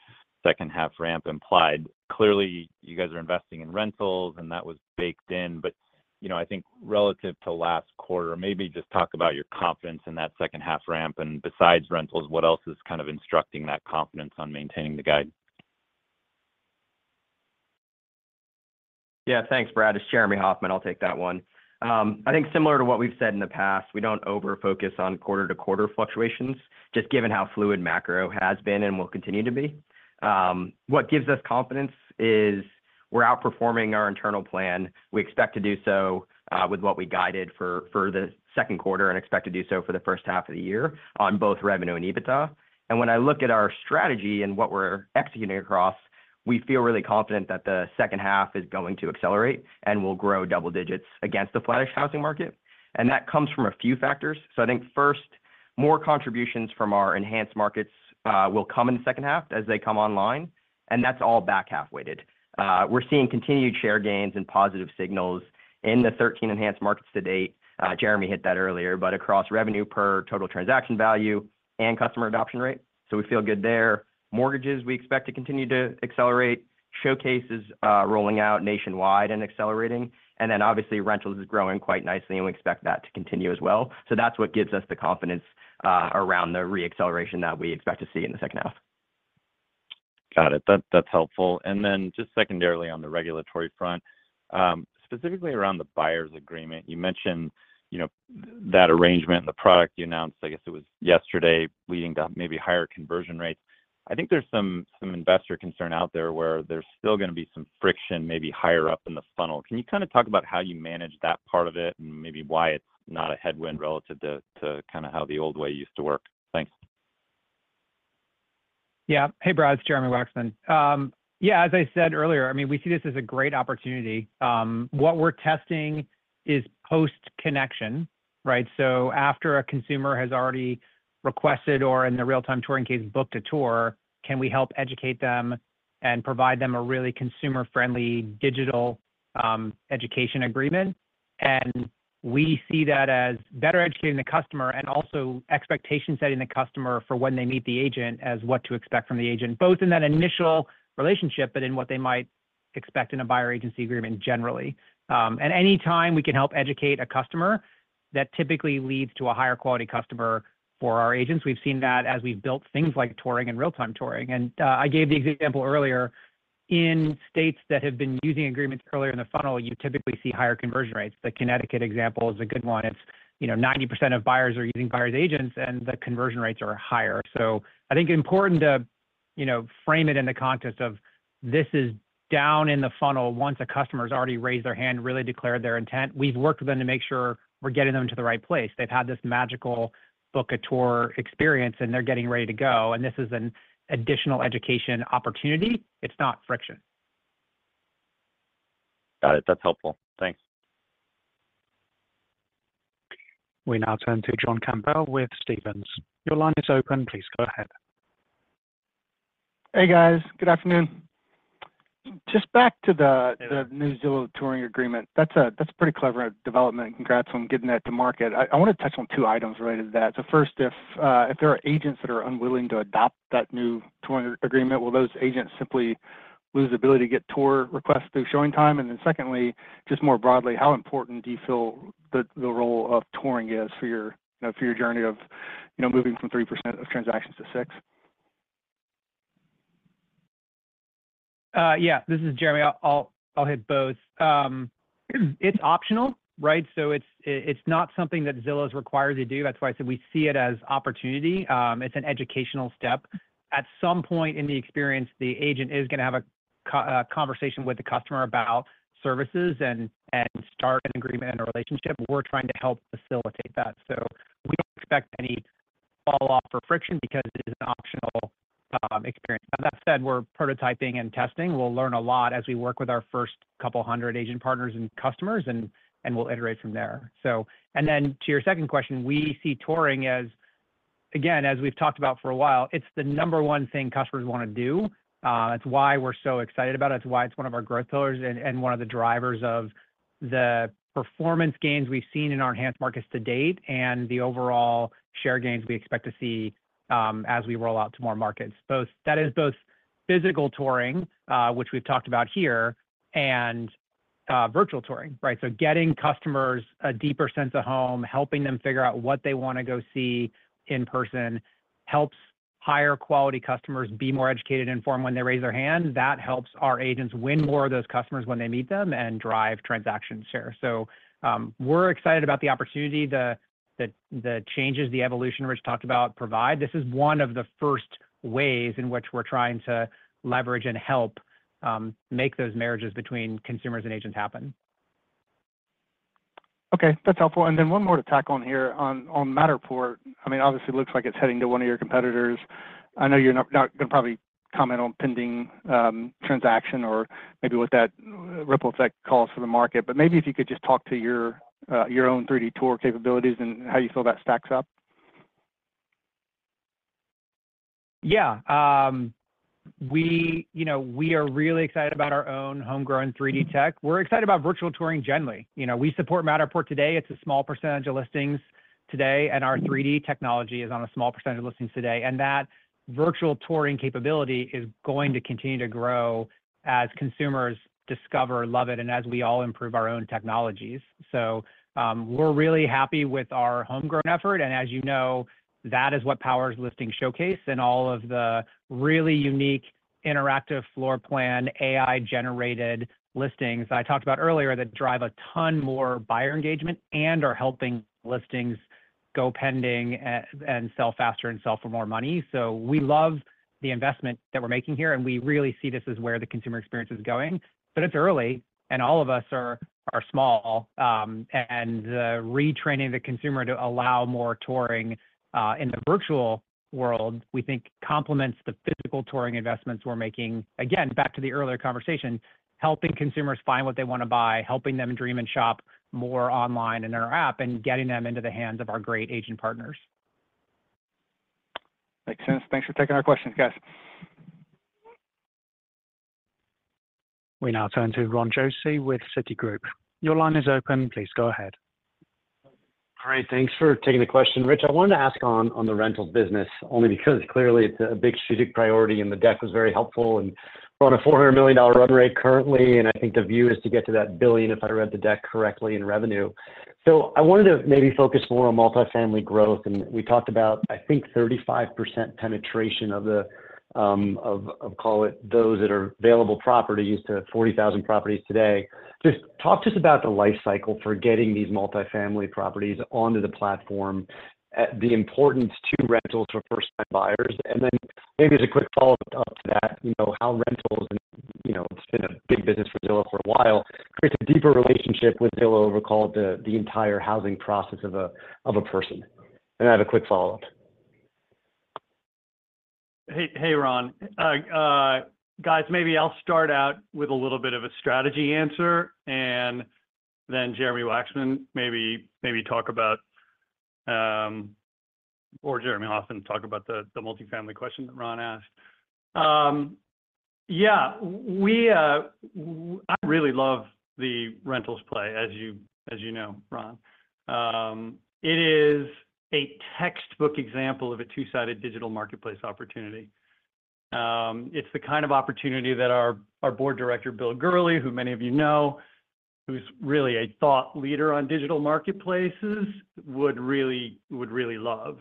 second half ramp implied. Clearly, you guys are investing in rentals, and that was baked in, but... you know, I think relative to last quarter, maybe just talk about your confidence in that second half ramp, and besides rentals, what else is kind of instructing that confidence on maintaining the guide? Yeah, thanks, Brad. It's Jeremy Hofmann. I'll take that one. I think similar to what we've said in the past, we don't over-focus on quarter-to-quarter fluctuations, just given how fluid macro has been and will continue to be. What gives us confidence is we're outperforming our internal plan. We expect to do so with what we guided for for the second quarter and expect to do so for the first half of the year on both revenue and EBITDA. And when I look at our strategy and what we're executing across, we feel really confident that the second half is going to accelerate, and we'll grow double digits against the flattish housing market, and that comes from a few factors. So I think first, more contributions from our enhanced markets will come in the second half as they come online, and that's all back half weighted. We're seeing continued share gains and positive signals in the 13 enhanced markets to date. Jeremy hit that earlier, but across revenue per total transaction value and customer adoption rate, so we feel good there. Mortgages, we expect to continue to accelerate, showcases, rolling out nationwide and accelerating, and then obviously, rentals is growing quite nicely, and we expect that to continue as well. So that's what gives us the confidence, around the re-acceleration that we expect to see in the second half. Got it. That's helpful. And then just secondarily on the regulatory front, specifically around the buyer's agreement, you mentioned, you know, that arrangement and the product you announced, I guess it was yesterday, leading to maybe higher conversion rates. I think there's some investor concern out there, where there's still gonna be some friction, maybe higher up in the funnel. Can you kind of talk about how you manage that part of it and maybe why it's not a headwind relative to kind of how the old way used to work? Thanks. Yeah. Hey, Brad, it's Jeremy Wacksman. Yeah, as I said earlier, I mean, we see this as a great opportunity. What we're testing is post-connection, right? So after a consumer has already requested, or in the real-time touring case, booked a tour, can we help educate them and provide them a really consumer-friendly digital, education agreement? And we see that as better educating the customer and also expectation setting the customer for when they meet the agent as what to expect from the agent, both in that initial relationship, but in what they might expect in a buyer agency agreement generally. And any time we can help educate a customer, that typically leads to a higher quality customer for our agents. We've seen that as we've built things like touring and real-time touring, and, I gave the example earlier, in states that have been using agreements earlier in the funnel, you typically see higher conversion rates. The Connecticut example is a good one. It's, you know, 90% of buyers are using buyer's agents, and the conversion rates are higher. So I think it's important to, you know, frame it in the context of this is down in the funnel. Once a customer's already raised their hand, really declared their intent, we've worked with them to make sure we're getting them to the right place. They've had this magical book a tour experience, and they're getting ready to go, and this is an additional education opportunity. It's not friction. Got it. That's helpful. Thanks. We now turn to John Campbell with Stephens. Your line is open. Please go ahead. Hey, guys. Good afternoon. Just back to the new Zillow touring agreement, that's a pretty clever development. Congrats on getting that to market. I want to touch on two items related to that. So first, if there are agents that are unwilling to adopt that new touring agreement, will those agents simply lose the ability to get tour requests through ShowingTime? And then secondly, just more broadly, how important do you feel the role of touring is for your, you know, for your journey of, you know, moving from 3% of transactions to 6%? Yeah, this is Jeremy. I'll hit both. It's optional, right? So it's not something that Zillow's required to do. That's why I said we see it as opportunity. It's an educational step. At some point in the experience, the agent is gonna have a conversation with the customer about services and start an agreement and a relationship. We're trying to help facilitate that. So we don't expect any fall off or friction because it is an optional experience. Now, that said, we're prototyping and testing. We'll learn a lot as we work with our first couple hundred agent partners and customers, and we'll iterate from there. And then to your second question, we see touring as, again, as we've talked about for a while, it's the number one thing customers wanna do. It's why we're so excited about it. It's why it's one of our growth pillars and one of the drivers of the performance gains we've seen in our enhanced markets to date, and the overall share gains we expect to see as we roll out to more markets. That is both physical touring, which we've talked about here, and virtual touring, right? So getting customers a deeper sense of home, helping them figure out what they wanna go see in person, helps higher quality customers be more educated and informed when they raise their hand. That helps our agents win more of those customers when they meet them and drive transaction share. So we're excited about the opportunity, the changes, the evolution Rich talked about provide. This is one of the first ways in which we're trying to leverage and help make those marriages between consumers and agents happen. Okay, that's helpful. And then one more to tack on here on Matterport. I mean, obviously, it looks like it's heading to one of your competitors. I know you're not gonna probably comment on pending transaction or maybe what that ripple effect calls for the market, but maybe if you could just talk to your own 3D tour capabilities and how you feel that stacks up. Yeah. We, you know, we are really excited about our own homegrown 3D tech. We're excited about virtual touring generally. You know, we support Matterport today. It's a small percentage of listings today, and our 3D technology is on a small percentage of listings today, and that virtual touring capability is going to continue to grow as consumers discover, love it, and as we all improve our own technologies. So, we're really happy with our homegrown effort, and as you know, that is what powers Listing Showcase and all of the really unique interactive floor plan, AI-generated listings I talked about earlier, that drive a ton more buyer engagement and are helping listings go pending, and sell faster and sell for more money. So we love the investment that we're making here, and we really see this as where the consumer experience is going. But it's early, and all of us are small, and retraining the consumer to allow more touring in the virtual world, we think compliments the physical touring investments we're making. Again, back to the earlier conversation, helping consumers find what they wanna buy, helping them dream and shop more online in our app, and getting them into the hands of our great agent partners. Makes sense. Thanks for taking our questions, guys. We now turn to Ron Josey with Citigroup. Your line is open. Please go ahead. All right, thanks for taking the question. Rich, I wanted to ask on the rental business, only because clearly it's a big strategic priority, and the deck was very helpful, and we're on a $400 million run rate currently, and I think the view is to get to that $1 billion, if I read the deck correctly, in revenue. So I wanted to maybe focus more on multifamily growth, and we talked about, I think, 35% penetration of the, of, call it, those that are available properties to 40,000 properties today. Just talk to us about the life cycle for getting these multifamily properties onto the platform, the importance to rentals for first-time buyers. And then maybe as a quick follow-up to that, you know, how rentals, and, you know, it's been a big business for Zillow for a while, creates a deeper relationship with Zillow over, call it, the, the entire housing process of a, of a person. And I have a quick follow-up. Hey, Ron. Guys, maybe I'll start out with a little bit of a strategy answer, and then Jeremy Wacksman, maybe talk about, or Jeremy Hofmann, talk about the multifamily question that Ron asked. Yeah, we really love the rentals play, as you know, Ron. It is a textbook example of a two-sided digital marketplace opportunity. It's the kind of opportunity that our board director, Bill Gurley, who many of you know, who's really a thought leader on digital marketplaces, would really love.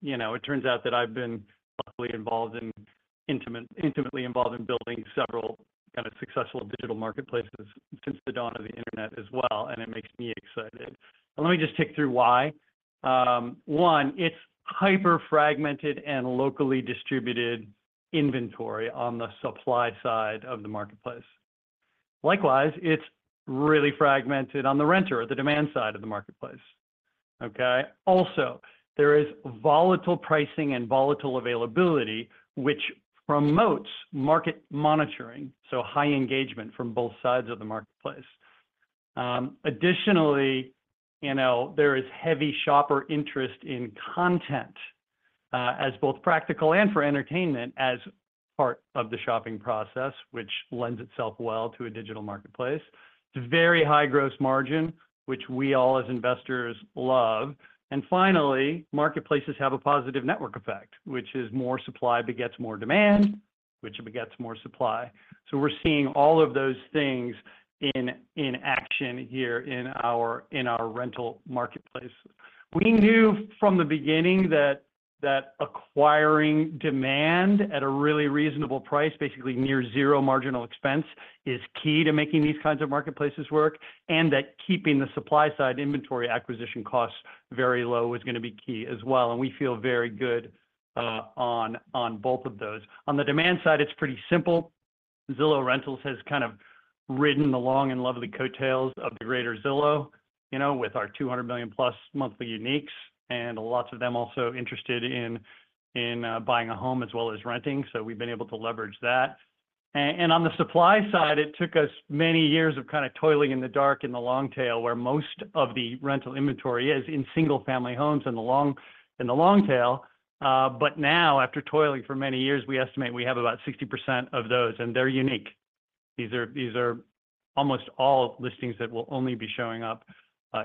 You know, it turns out that I've been luckily involved intimately involved in building several kind of successful digital marketplaces since the dawn of the internet as well, and it makes me excited. Let me just tick through why. One, it's hyper fragmented and locally distributed inventory on the supply side of the marketplace. Likewise, it's really fragmented on the renter or the demand side of the marketplace, okay? Also, there is volatile pricing and volatile availability, which promotes market monitoring, so high engagement from both sides of the marketplace. Additionally, you know, there is heavy shopper interest in content, as both practical and for entertainment as part of the shopping process, which lends itself well to a digital marketplace. It's very high gross margin, which we all as investors love. And finally, marketplaces have a positive network effect, which is more supply begets more demand, which begets more supply. So we're seeing all of those things in action here in our rental marketplace. We knew from the beginning that acquiring demand at a really reasonable price, basically near zero marginal expense, is key to making these kinds of marketplaces work, and that keeping the supply side inventory acquisition costs very low is gonna be key as well, and we feel very good on both of those. On the demand side, it's pretty simple. Zillow Rentals has kind of ridden the long and lovely coattails of the greater Zillow, you know, with our 200 million+ monthly uniques, and lots of them also interested in buying a home as well as renting, so we've been able to leverage that. And on the supply side, it took us many years of kind of toiling in the dark in the long tail, where most of the rental inventory is in single-family homes in the long tail. But now, after toiling for many years, we estimate we have about 60% of those, and they're unique. These are almost all listings that will only be showing up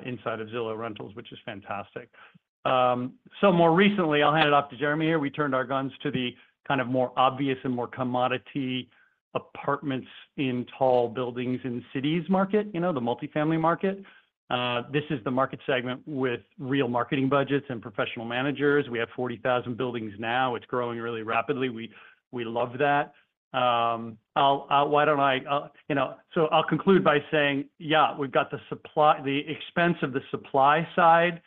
inside of Zillow Rentals, which is fantastic. So more recently, I'll hand it off to Jeremy here. We turned our guns to the kind of more obvious and more commodity apartments in tall buildings in cities market, you know, the multifamily market. This is the market segment with real marketing budgets and professional managers. We have 40,000 buildings now. It's growing really rapidly. We love that. I'll... Why don't I, you know, so I'll conclude by saying, yeah, we've got the supply, the expense of the supply side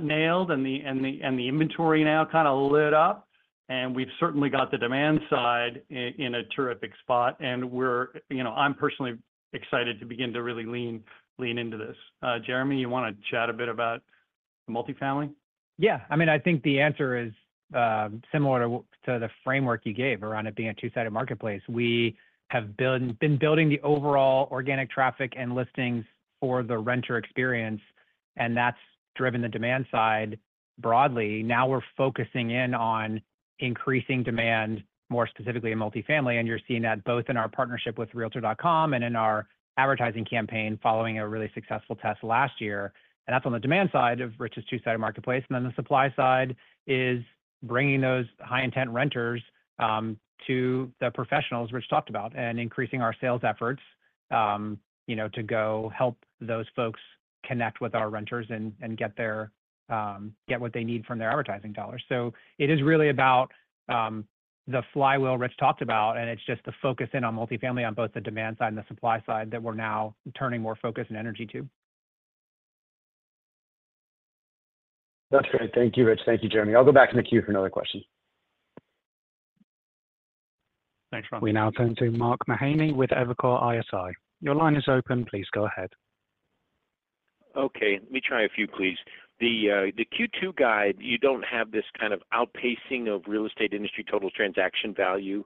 nailed, and the inventory now kinda lit up, and we've certainly got the demand side in a terrific spot, and we're, you know, I'm personally excited to begin to really lean into this. Jeremy, you wanna chat a bit about the multifamily? Yeah. I mean, I think the answer is, similar to the framework you gave around it being a two-sided marketplace. We have been building the overall organic traffic and listings for the renter experience, and that's driven the demand side. Broadly, now we're focusing in on increasing demand, more specifically in multifamily, and you're seeing that both in our partnership with Realtor.com and in our advertising campaign, following a really successful test last year. And that's on the demand side of Rich's two-sided marketplace. And then the supply side is bringing those high-intent renters to the professionals Rich talked about, and increasing our sales efforts, you know, to go help those folks connect with our renters and get what they need from their advertising dollars. So it is really about the flywheel Rich talked about, and it's just the focus in on multifamily, on both the demand side and the supply side, that we're now turning more focus and energy to. That's great. Thank you, Rich. Thank you, Jeremy. I'll go back to the queue for another question. Thanks, Ron. We now turn to Mark Mahaney with Evercore ISI. Your line is open. Please go ahead. Okay, let me try a few, please. The, the Q2 guide, you don't have this kind of outpacing of real estate industry total transaction value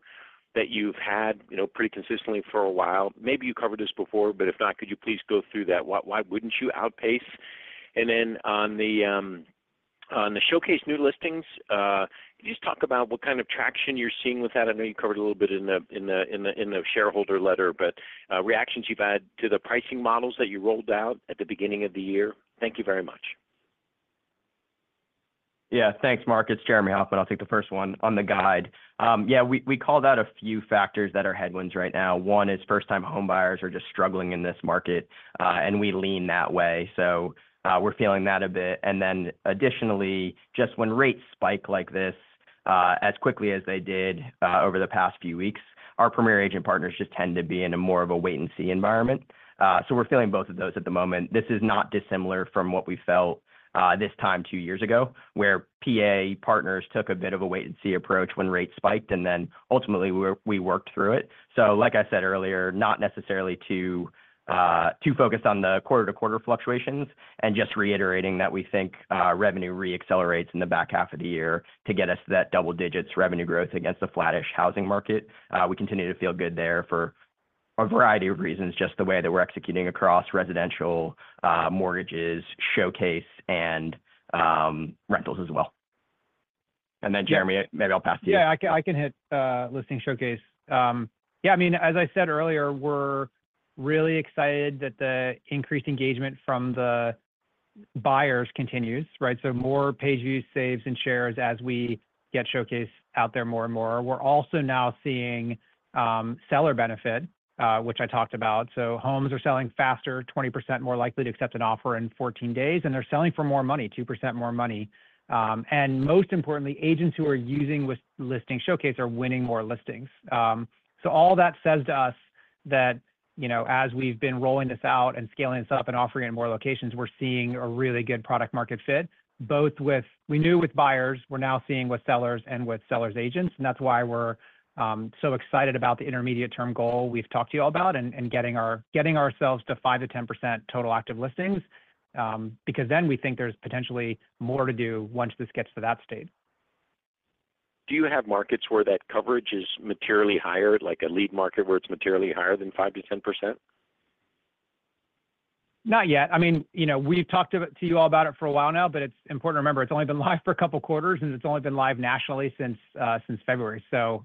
that you've had, you know, pretty consistently for a while. Maybe you covered this before, but if not, could you please go through that? Why, why wouldn't you outpace? And then on the, on the Showcase new listings, can you just talk about what kind of traction you're seeing with that? I know you covered a little bit in the, in the, in the, in the shareholder letter, but, reactions you've had to the pricing models that you rolled out at the beginning of the year. Thank you very much. Yeah. Thanks, Mark. It's Jeremy Hofmann. I'll take the first one. On the guide, yeah, we called out a few factors that are headwinds right now. One is first-time home buyers are just struggling in this market, and we lean that way, so, we're feeling that a bit. And then additionally, just when rates spike like this, as quickly as they did, over the past few weeks, our Premier Agent partners just tend to be in a more of a wait-and-see environment. So we're feeling both of those at the moment. This is not dissimilar from what we felt, this time two years ago, where PA partners took a bit of a wait-and-see approach when rates spiked, and then ultimately, we worked through it. So like I said earlier, not necessarily too, too focused on the quarter-to-quarter fluctuations, and just reiterating that we think, revenue re-accelerates in the back half of the year to get us to that double digits revenue growth against the flattish housing market. We continue to feel good there for a variety of reasons, just the way that we're executing across residential, mortgages, Showcase, and, rentals as well. And then, Jeremy, maybe I'll pass to you. Yeah, I can, I can hit Listing Showcase. Yeah, I mean, as I said earlier, we're really excited that the increased engagement from the buyers continues, right? So more page views, saves, and shares as we get Showcase out there more and more. We're also now seeing seller benefit, which I talked about. So homes are selling faster, 20% more likely to accept an offer in 14 days, and they're selling for more money, 2% more money. And most importantly, agents who are using with Listing Showcase are winning more listings. So all that says to us that, you know, as we've been rolling this out and scaling this up and offering in more locations, we're seeing a really good product market fit, both with. We knew with buyers, we're now seeing with sellers and with sellers agents, and that's why we're so excited about the intermediate term goal we've talked to you all about, and getting ourselves to 5%-10% total active listings. Because then we think there's potentially more to do once this gets to that state. Do you have markets where that coverage is materially higher, like a lead market, where it's materially higher than 5%-10%? Not yet. I mean, you know, we've talked to, to you all about it for a while now, but it's important to remember it's only been live for a couple of quarters, and it's only been live nationally since since February. So,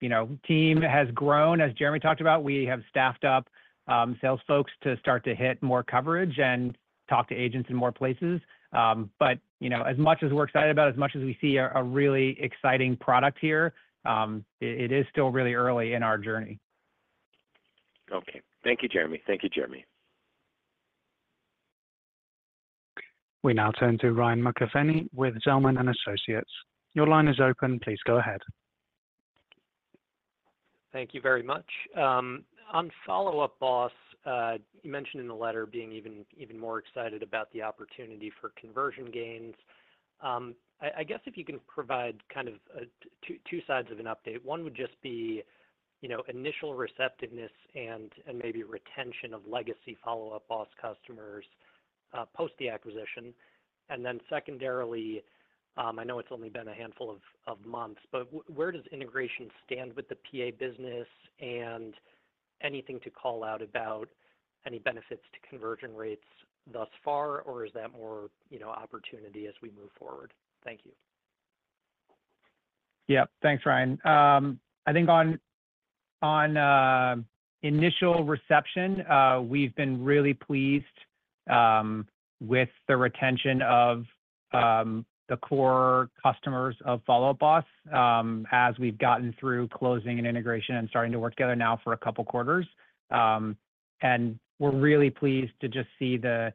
you know, team has grown, as Jeremy talked about. We have staffed up, sales folks to start to hit more coverage and talk to agents in more places. But, you know, as much as we're excited about, as much as we see a, a really exciting product here, it, it is still really early in our journey. Okay. Thank you, Jeremy. Thank you, Jeremy. We now turn to Ryan McKeveny with Zelman & Associates. Your line is open. Please go ahead. Thank you very much. On Follow Up Boss, you mentioned in the letter being even, even more excited about the opportunity for conversion gains. I guess if you can provide kind of, two, two sides of an update. One would just be, you know, initial receptiveness and, and maybe retention of legacy Follow Up Boss customers, post the acquisition. And then secondarily, I know it's only been a handful of, of months, but where does integration stand with the PA business? And anything to call out about any benefits to conversion rates thus far, or is that more, you know, opportunity as we move forward? Thank you. Yeah. Thanks, Ryan. I think on initial reception, we've been really pleased with the retention of the core customers of Follow Up Boss as we've gotten through closing and integration and starting to work together now for a couple of quarters. We're really pleased to just see the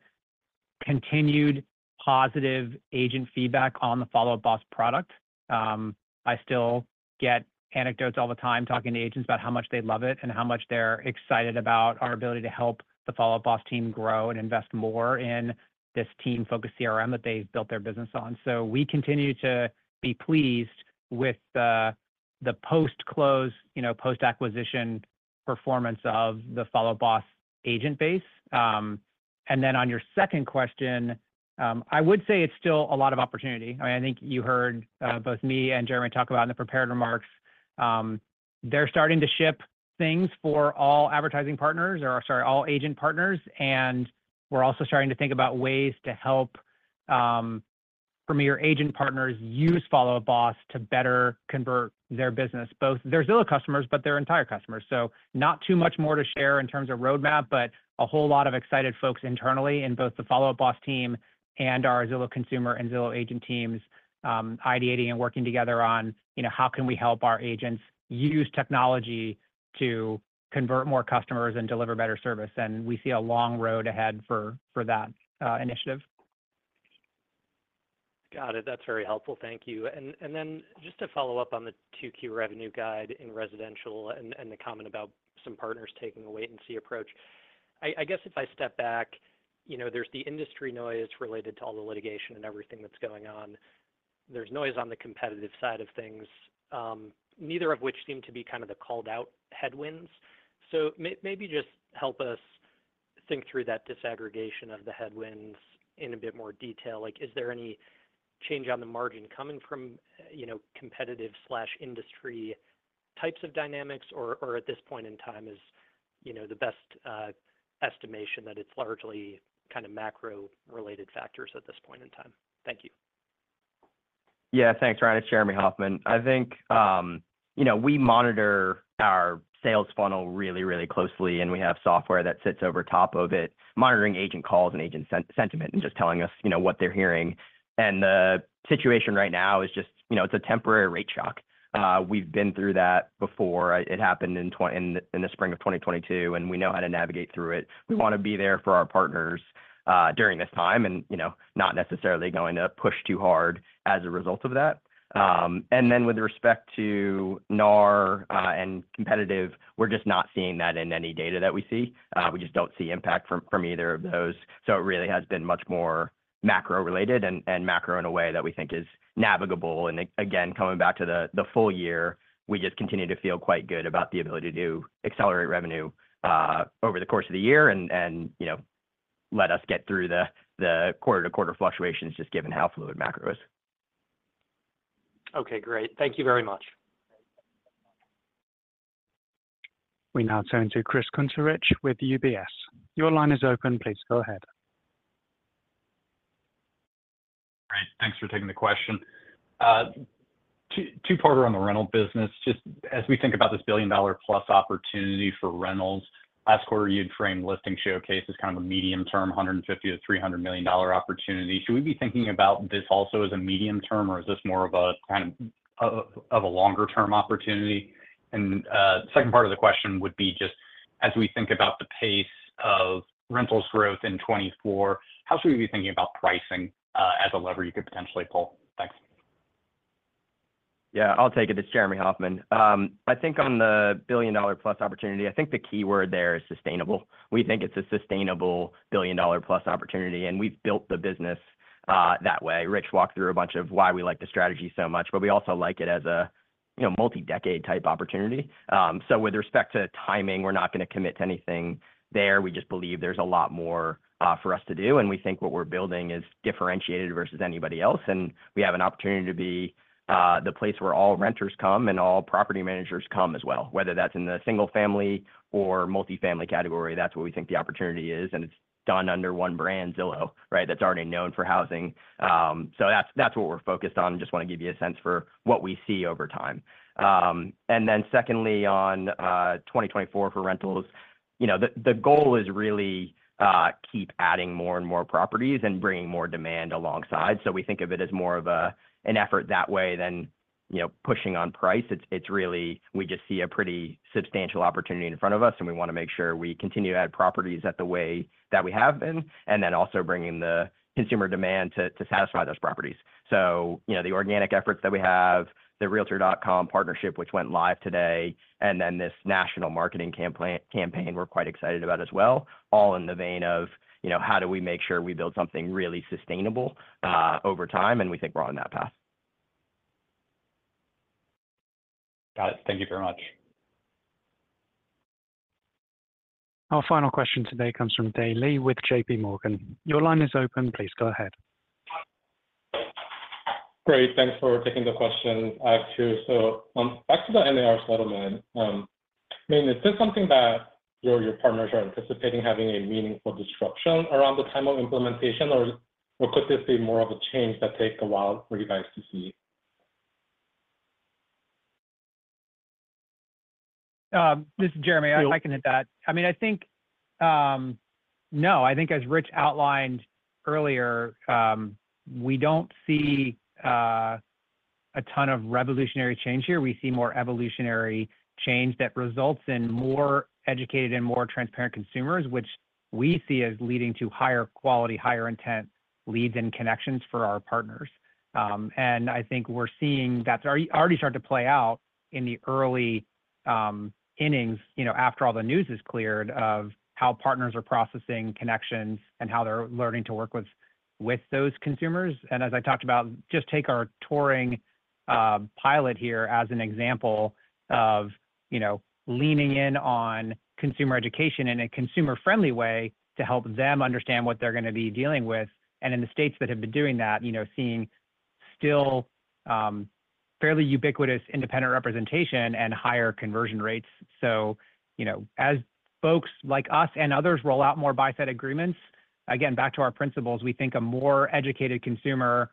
continued positive agent feedback on the Follow Up Boss product. I still get anecdotes all the time talking to agents about how much they love it and how much they're excited about our ability to help the Follow Up Boss team grow and invest more in this team-focused CRM that they've built their business on. So we continue to be pleased with the post-close, you know, post-acquisition performance of the Follow Up Boss agent base. And then on your second question, I would say it's still a lot of opportunity. I mean, I think you heard both me and Jeremy talk about in the prepared remarks. They're starting to ship things for all advertising partners or, sorry, all agent partners, and we're also starting to think about ways to help Premier Agent partners use Follow Up Boss to better convert their business, both their Zillow customers, but their entire customers. So not too much more to share in terms of roadmap, but a whole lot of excited folks internally in both the Follow Up Boss team and our Zillow Consumer and Zillow Agent teams, ideally working together on, you know, how can we help our agents use technology to convert more customers and deliver better service? And we see a long road ahead for that initiative. Got it. That's very helpful. Thank you. And then just to follow up on the two key revenue guide in residential and the comment about some partners taking a wait-and-see approach. I guess if I step back, you know, there's the industry noise related to all the litigation and everything that's going on. There's noise on the competitive side of things, neither of which seem to be kind of the called-out headwinds. So maybe just help us think through that disaggregation of the headwinds in a bit more detail. Like, is there any change on the margin coming from, you know, competitive/industry types of dynamics? Or at this point in time, is you know the best estimation that it's largely kind of macro-related factors at this point in time? Thank you. Yeah, thanks, Ryan. It's Jeremy Hofmann. I think, you know, we monitor our sales funnel really, really closely, and we have software that sits over top of it, monitoring agent calls and agent sentiment, and just telling us, you know, what they're hearing. And the situation right now is just, you know, it's a temporary rate shock. We've been through that before. It happened in the spring of 2022, and we know how to navigate through it. We wanna be there for our partners during this time and, you know, not necessarily going to push too hard as a result of that. And then with respect to NAR and competitive, we're just not seeing that in any data that we see. We just don't see impact from either of those. So it really has been much more macro-related and macro in a way that we think is navigable. And again, coming back to the full year, we just continue to feel quite good about the ability to accelerate revenue over the course of the year and, you know, let us get through the quarter-to-quarter fluctuations, just given how fluid macro is. Okay, great. Thank you very much. We now turn to Chris Kuntarich with UBS. Your line is open. Please go ahead. Great, thanks for taking the question. Two-parter on the rental business. Just as we think about this billion-dollar-plus opportunity for rentals, last quarter, you'd framed Listing Showcase as kind of a medium-term, $150 million-$300 million opportunity. Should we be thinking about this also as a medium term, or is this more of a kind of a longer-term opportunity? And, second part of the question would be just, as we think about the pace of rentals growth in 2024, how should we be thinking about pricing, as a lever you could potentially pull? Thanks. Yeah, I'll take it. It's Jeremy Hofmann. I think on the billion-dollar-plus opportunity, I think the key word there is sustainable. We think it's a sustainable billion-dollar-plus opportunity, and we've built the business that way. Rich walked through a bunch of why we like the strategy so much, but we also like it as a, you know, multi-decade type opportunity. So with respect to timing, we're not gonna commit to anything there. We just believe there's a lot more for us to do, and we think what we're building is differentiated versus anybody else, and we have an opportunity to be the place where all renters come and all property managers come as well. Whether that's in the single-family or multifamily category, that's where we think the opportunity is, and it's done under one brand, Zillow, right? That's already known for housing. So that's, that's what we're focused on. Just wanna give you a sense for what we see over time. And then secondly, on 2024 for rentals, you know, the goal is really keep adding more and more properties and bringing more demand alongside. So we think of it as more of a, an effort that way than, you know, pushing on price. It's, it's really we just see a pretty substantial opportunity in front of us, and we wanna make sure we continue to add properties at the way that we have been, and then also bringing the consumer demand to satisfy those properties. So, you know, the organic efforts that we have, the Realtor.com partnership, which went live today, and then this national marketing campaign we're quite excited about as well, all in the vein of, you know, how do we make sure we build something really sustainable over time? And we think we're on that path. Got it. Thank you very much. Our final question today comes from Dae Lee with J.P. Morgan. Your line is open. Please go ahead. Great. Thanks for taking the question. I have two. So, back to the NAR settlement, I mean, is this something that you or your partners are anticipating having a meaningful disruption around the time of implementation, or could this be more of a change that take a while for you guys to see? This is Jeremy. I can hit that. I mean, I think... No, I think as Rich outlined earlier, we don't see a ton of revolutionary change here. We see more evolutionary change that results in more educated and more transparent consumers, which we see as leading to higher quality, higher intent leads and connections for our partners. And I think we're seeing that's already starting to play out in the early innings, you know, after all the news is cleared, of how partners are processing connections and how they're learning to work with those consumers. And as I talked about, just take our touring pilot here as an example of-... you know, leaning in on consumer education in a consumer-friendly way to help them understand what they're gonna be dealing with. And in the states that have been doing that, you know, seeing still fairly ubiquitous independent representation and higher conversion rates. So, you know, as folks like us and others roll out more buy-side agreements, again, back to our principles, we think a more educated consumer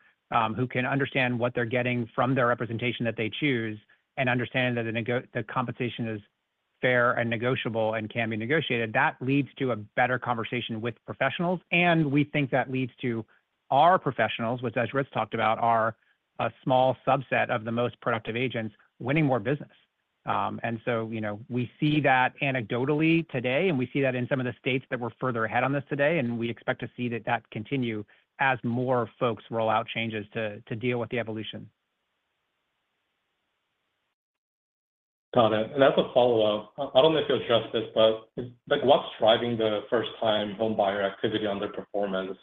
who can understand what they're getting from their representation that they choose, and understand that the compensation is fair and negotiable and can be negotiated, that leads to a better conversation with professionals. And we think that leads to our professionals, which as Rich talked about, are a small subset of the most productive agents winning more business. And so, you know, we see that anecdotally today, and we see that in some of the states that we're further ahead on this today, and we expect to see that continue as more folks roll out changes to deal with the evolution. Got it. And as a follow-up, I don't know if you addressed this, but, like, what's driving the first-time homebuyer activity underperformance?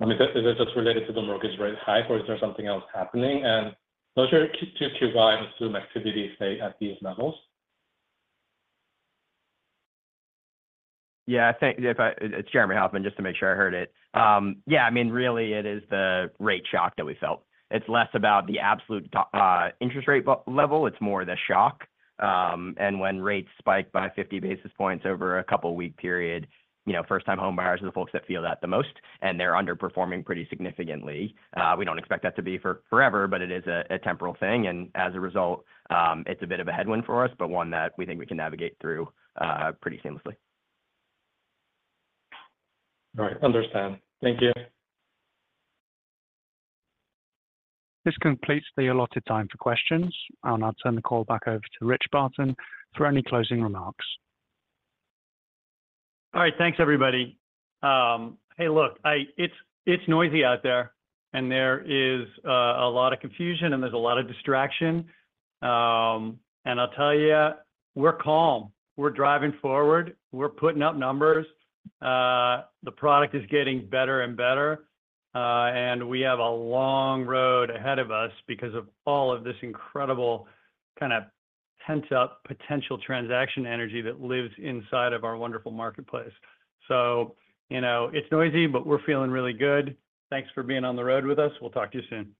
I mean, is that just related to the mortgage rate hike, or is there something else happening? And those are two key drivers to activity, say, at these levels. Yeah, thank you. If I-- It's Jeremy Hofmann, just to make sure I heard it. Yeah, I mean, really it is the rate shock that we felt. It's less about the absolute dollar interest rate level, it's more the shock. And when rates spike by 50 basis points over a couple week period, you know, first-time homebuyers are the folks that feel that the most, and they're underperforming pretty significantly. We don't expect that to be for forever, but it is a temporal thing, and as a result, it's a bit of a headwind for us, but one that we think we can navigate through pretty seamlessly. All right. Understand. Thank you. This completes the allotted time for questions. I'll now turn the call back over to Rich Barton for any closing remarks. All right. Thanks, everybody. Hey, look, it's noisy out there, and there is a lot of confusion, and there's a lot of distraction. And I'll tell you, we're calm. We're driving forward. We're putting up numbers. The product is getting better and better, and we have a long road ahead of us because of all of this incredible kind of pent-up potential transaction energy that lives inside of our wonderful marketplace. So, you know, it's noisy, but we're feeling really good. Thanks for being on the road with us. We'll talk to you soon.